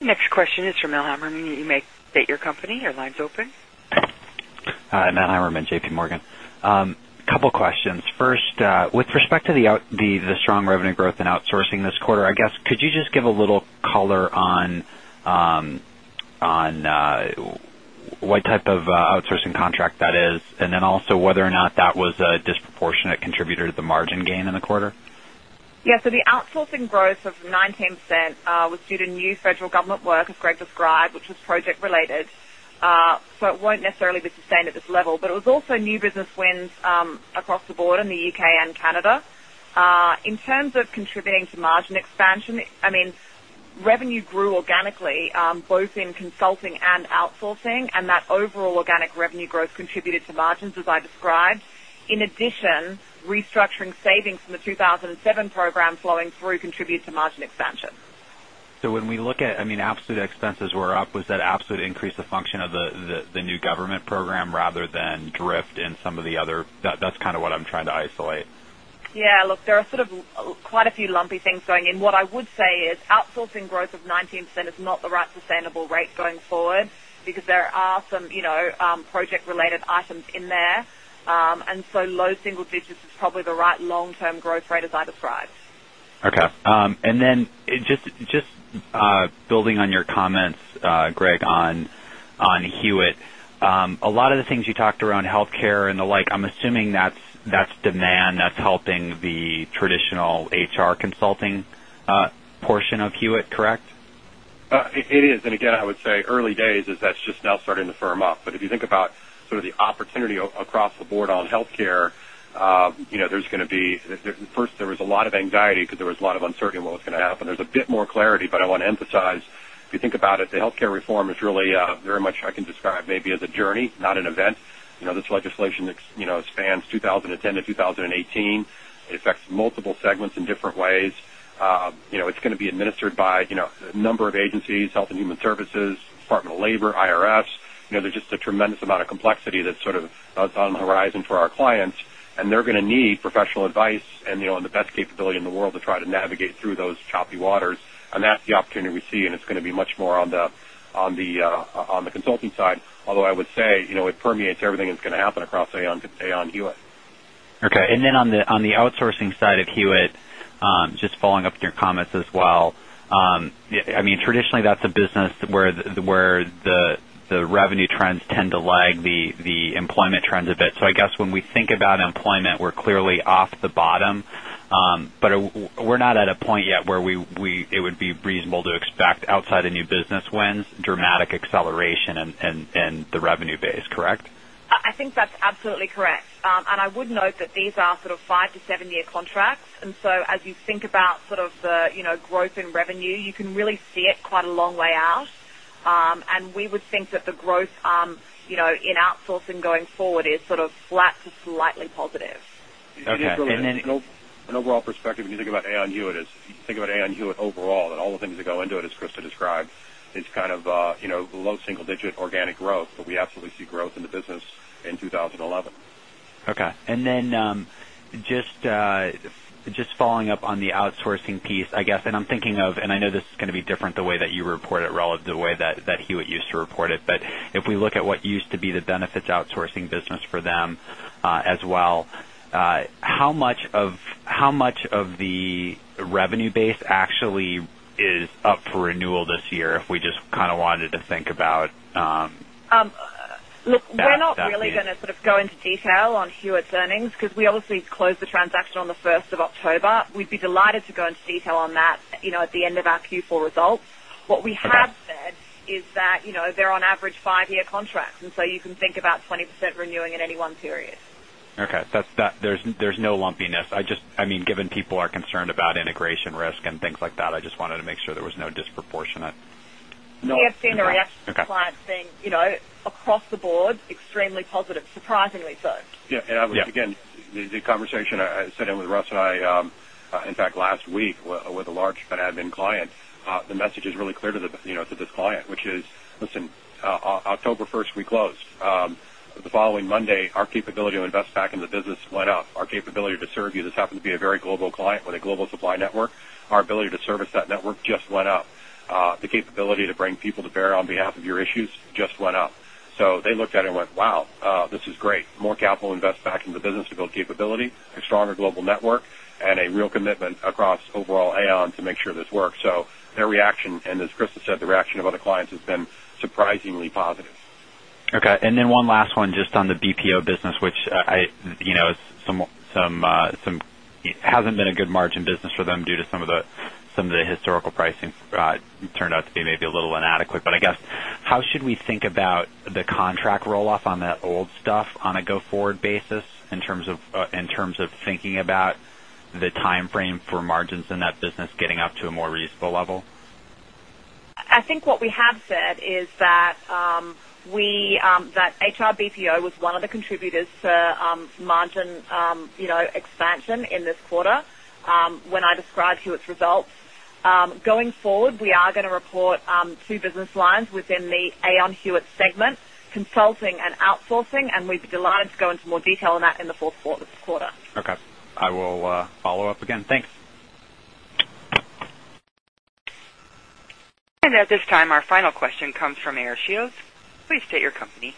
Next question is from Mel Hammerman. You may state your company. Your line's open. Hi, Mel Hammerman, JP Morgan. Couple questions. First, with respect to the strong revenue growth in outsourcing this quarter, I guess, could you just give a little color on what type of outsourcing contract that is? Also whether or not that was a disproportionate contributor to the margin gain in the quarter? Yeah. The outsourcing growth of 19% was due to new federal government work, as Greg described, which was project related. It won't necessarily be sustained at this level. It was also new business wins across the board in the U.K. and Canada. In terms of contributing to margin expansion, revenue grew organically, both in consulting and outsourcing, overall organic revenue growth contributed to margins, as I described. In addition, restructuring savings from the 2007 program flowing through contributes to margin expansion. When we look at, absolute expenses were up. Was that absolute increase the function of the new government program rather than drift in some of the other? That's kind of what I'm trying to isolate. Yeah. Look, there are sort of quite a few lumpy things going in. What I would say is outsourcing growth of 19% is not the right sustainable rate going forward because there are some project-related items in there. Low single digits is probably the right long-term growth rate as I described. Okay. Just building on your comments, Greg, on Hewitt. A lot of the things you talked around healthcare and the like, I'm assuming that's demand that's helping the traditional HR consulting portion of Hewitt, correct? It is. I would say early days as that's just now starting to firm up. If you think about sort of the opportunity across the board on healthcare, first there was a lot of anxiety because there was a lot of uncertainty what was going to happen. There's a bit more clarity, I want to emphasize, if you think about it, the healthcare reform is really very much I can describe maybe as a journey, not an event. This legislation spans 2010-2018. It affects multiple segments in different ways. It's going to be administered by a number of agencies, Health and Human Services, Department of Labor, IRS. There's just a tremendous amount of complexity that's sort of on the horizon for our clients, and they're going to need professional advice and the best capability in the world to try to navigate through those choppy waters. That's the opportunity we see, and it's going to be much more on the consulting side. Although I would say, it permeates everything that's going to happen across Aon Hewitt. Okay. On the outsourcing side of Hewitt, just following up with your comments as well. Traditionally, that's a business where the revenue trends tend to lag the employment trends a bit. I guess when we think about employment, we're clearly off the bottom. We're not at a point yet where it would be reasonable to expect outside of new business wins, dramatic acceleration in the revenue base, correct? I think that's absolutely correct. I would note that these are sort of five to seven year contracts. So as you think about the growth in revenue, you can really see it quite a long way out. We would think that the growth in outsourcing going forward is sort of flat to slightly positive. Okay. An overall perspective, when you think about Aon Hewitt, if you think about Aon Hewitt overall, and all the things that go into it, as Christa described, it's kind of low single-digit organic growth, we absolutely see growth in the business in 2011. Okay. Just following up on the outsourcing piece, I guess, I'm thinking of, I know this is going to be different the way that you report it relative to the way that Hewitt used to report it. If we look at what used to be the benefits outsourcing business for them as well, how much of the revenue base actually is up for renewal this year? If we just kind of wanted to think about that piece. We're not really going to sort of go into detail on Hewitt's earnings because we obviously closed the transaction on the 1st of October. We'd be delighted to go into detail on that at the end of our Q4 results. Okay. What we have said is that they're on average five-year contracts, and so you can think about 20% renewing in any one period. Okay. There's no lumpiness. Given people are concerned about integration risk and things like that, I just wanted to make sure there was no disproportionate. We have seen a reaction. Okay from clients being across the board, extremely positive, surprisingly so. Yeah. I would, again, the conversation I sat in with Russ, in fact, last week, with a large benefit admin client, the message is really clear to this client, which is, listen, October 1st, we closed. The following Monday, our capability to invest back in the business went up. Our capability to serve you, this happened to be a very global client with a global supply network. Our ability to service that network just went up. The capability to bring people to bear on behalf of your issues just went up. They looked at it and went, "Wow, this is great." More capital to invest back into the business to build capability, a stronger global network, and a real commitment across overall Aon to make sure this works. Their reaction, and as Christa said, the reaction of other clients has been surprisingly positive. Okay, one last one just on the BPO business, which hasn't been a good margin business for them due to some of the historical pricing turned out to be maybe a little inadequate. I guess, how should we think about the contract roll-off on that old stuff on a go-forward basis in terms of thinking about the timeframe for margins in that business getting up to a more reasonable level? I think what we have said is that HRBPO was one of the contributors to margin expansion in this quarter. When I describe Hewitt's results. Going forward, we are going to report two business lines within the Aon Hewitt segment, consulting and outsourcing, and we'd be delighted to go into more detail on that in the fourth quarter this quarter. Okay. I will follow up again. Thanks. At this time, our final question comes from Nicole Nicholas. Please state your company.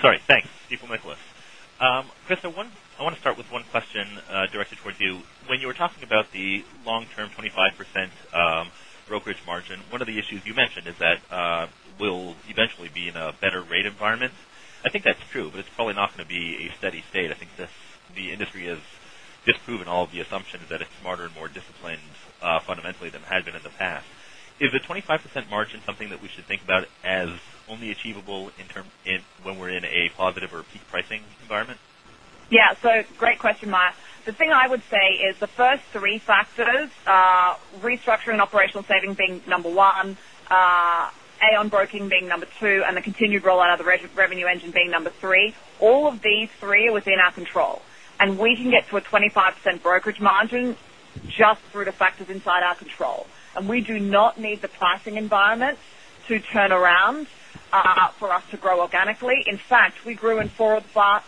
Sorry. Thanks. Nicole Nicholas. Christa, I want to start with one question directed towards you. When you were talking about the long-term 25% brokerage margin, one of the issues you mentioned is that we'll eventually be in a better rate environment. I think that's true, but it's probably not going to be a steady state. I think the industry has disproven all of the assumptions that it's smarter and more disciplined fundamentally than it has been in the past. Is the 25% margin something that we should think about as only achievable when we're in a positive or peak pricing environment? Yeah. Great question, Meyer. The thing I would say is the first three factors are restructuring operational savings being number one, Aon Broking being number two, and the continued rollout of the revenue engine being number three. All of these three are within our control, and we can get to a 25% brokerage margin just through the factors inside our control. We do not need the pricing environment to turn around for us to grow organically. In fact, we grew in four of the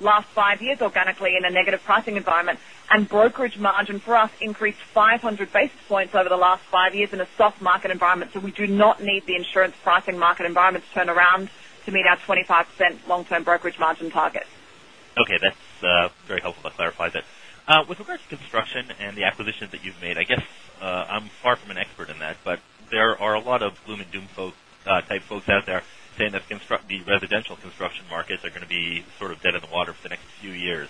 last five years organically in a negative pricing environment, and brokerage margin for us increased 500 basis points over the last five years in a soft market environment. We do not need the insurance pricing market environment to turn around to meet our 25% long-term brokerage margin target. Okay. That's very helpful to clarify that. With regards to construction and the acquisitions that you've made, I guess I'm far from an expert in that, but there are a lot of gloom and doom type folks out there saying that the residential construction markets are going to be sort of dead in the water for the next few years.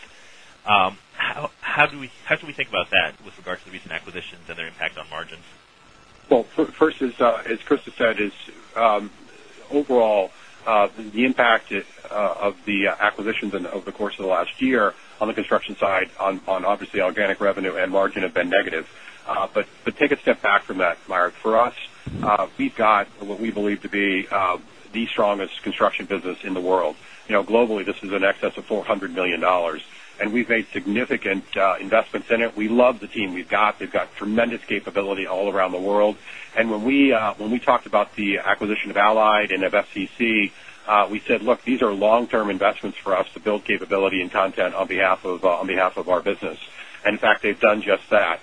How should we think about that with regards to the recent acquisitions and their impact on margins? Well, first, as Christa said, is overall, the impact of the acquisitions over the course of the last year on the construction side on obviously organic revenue and margin have been negative. Take a step back from that, Nicole. For us, we've got what we believe to be the strongest construction business in the world. Globally, this is in excess of $400 million, and we've made significant investments in it. We love the team we've got. They've got tremendous capability all around the world. When we talked about the acquisition of Allied and of FCC, we said, look, these are long-term investments for us to build capability and content on behalf of our business. In fact, they've done just that.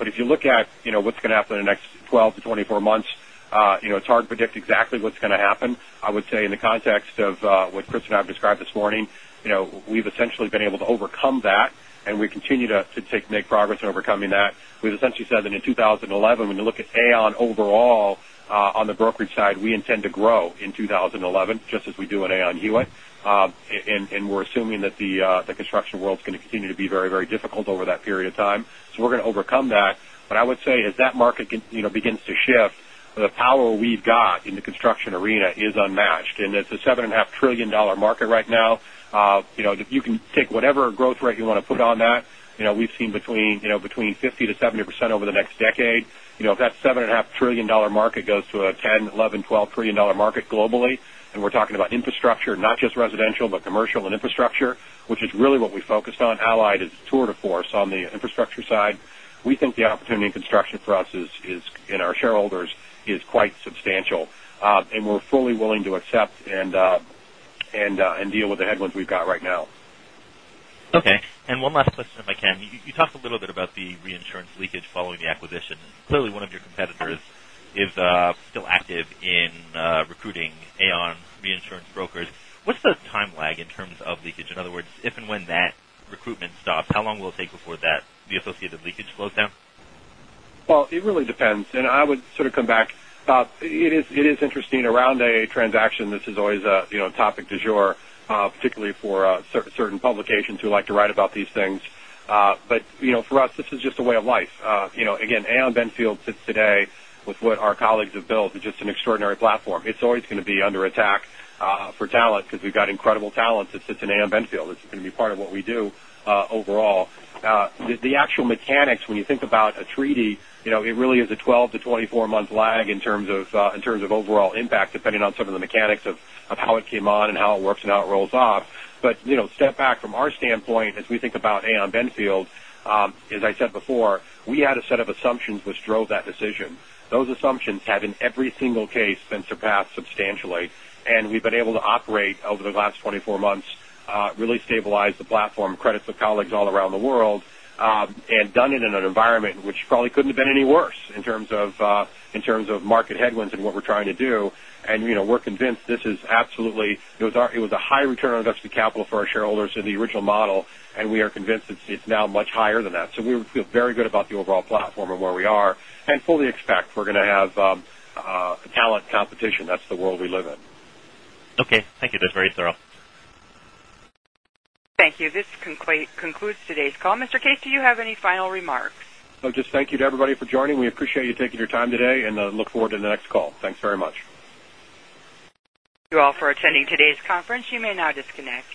If you look at what's going to happen in the next 12-24 months, it's hard to predict exactly what's going to happen. I would say in the context of what Christa and I have described this morning, we've essentially been able to overcome that, and we continue to make progress in overcoming that. We've essentially said that in 2011, when you look at Aon overall on the brokerage side, we intend to grow in 2011, just as we do in Aon Hewitt. We're assuming that the construction world is going to continue to be very difficult over that period of time. We're going to overcome that. I would say as that market begins to shift. The power we've got in the construction arena is unmatched, and it's a $7.5 trillion market right now. You can take whatever growth rate you want to put on that. We've seen between 50%-70% over the next decade. If that $7.5 trillion market goes to a $10, $11, $12 trillion market globally, we're talking about infrastructure, not just residential, but commercial and infrastructure, which is really what we focused on. Allied is a tour de force on the infrastructure side. We think the opportunity in construction for us and our shareholders is quite substantial. We're fully willing to accept and deal with the headwinds we've got right now. Okay, one last question, if I can. You talked a little bit about the reinsurance leakage following the acquisition. Clearly, one of your competitors is still active in recruiting Aon reinsurance brokers. What's the time lag in terms of leakage? In other words, if and when that recruitment stops, how long will it take before the associated leakage slows down? Well, it really depends. I would sort of come back. It is interesting. Around a transaction, this is always a topic du jour, particularly for certain publications who like to write about these things. For us, this is just a way of life. Again, Aon Benfield sits today with what our colleagues have built, is just an extraordinary platform. It's always going to be under attack for talent because we've got incredible talent that sits in Aon Benfield. It's going to be part of what we do overall. The actual mechanics, when you think about a treaty, it really is a 12-24-month lag in terms of overall impact, depending on some of the mechanics of how it came on and how it works and how it rolls off. Step back from our standpoint, as we think about Aon Benfield, as I said before, we had a set of assumptions which drove that decision. Those assumptions have, in every single case, been surpassed substantially, and we've been able to operate over the last 24 months, really stabilize the platform, credit to colleagues all around the world, and done it in an environment which probably couldn't have been any worse in terms of market headwinds and what we're trying to do. We're convinced it was a high return on invested capital for our shareholders in the original model, and we are convinced it's now much higher than that. We feel very good about the overall platform and where we are and fully expect we're going to have talent competition. That's the world we live in. Okay. Thank you. That's very thorough. Thank you. This concludes today's call. Mr. Case, do you have any final remarks? Just thank you to everybody for joining. We appreciate you taking your time today, and I look forward to the next call. Thanks very much. Thank you all for attending today's conference. You may now disconnect.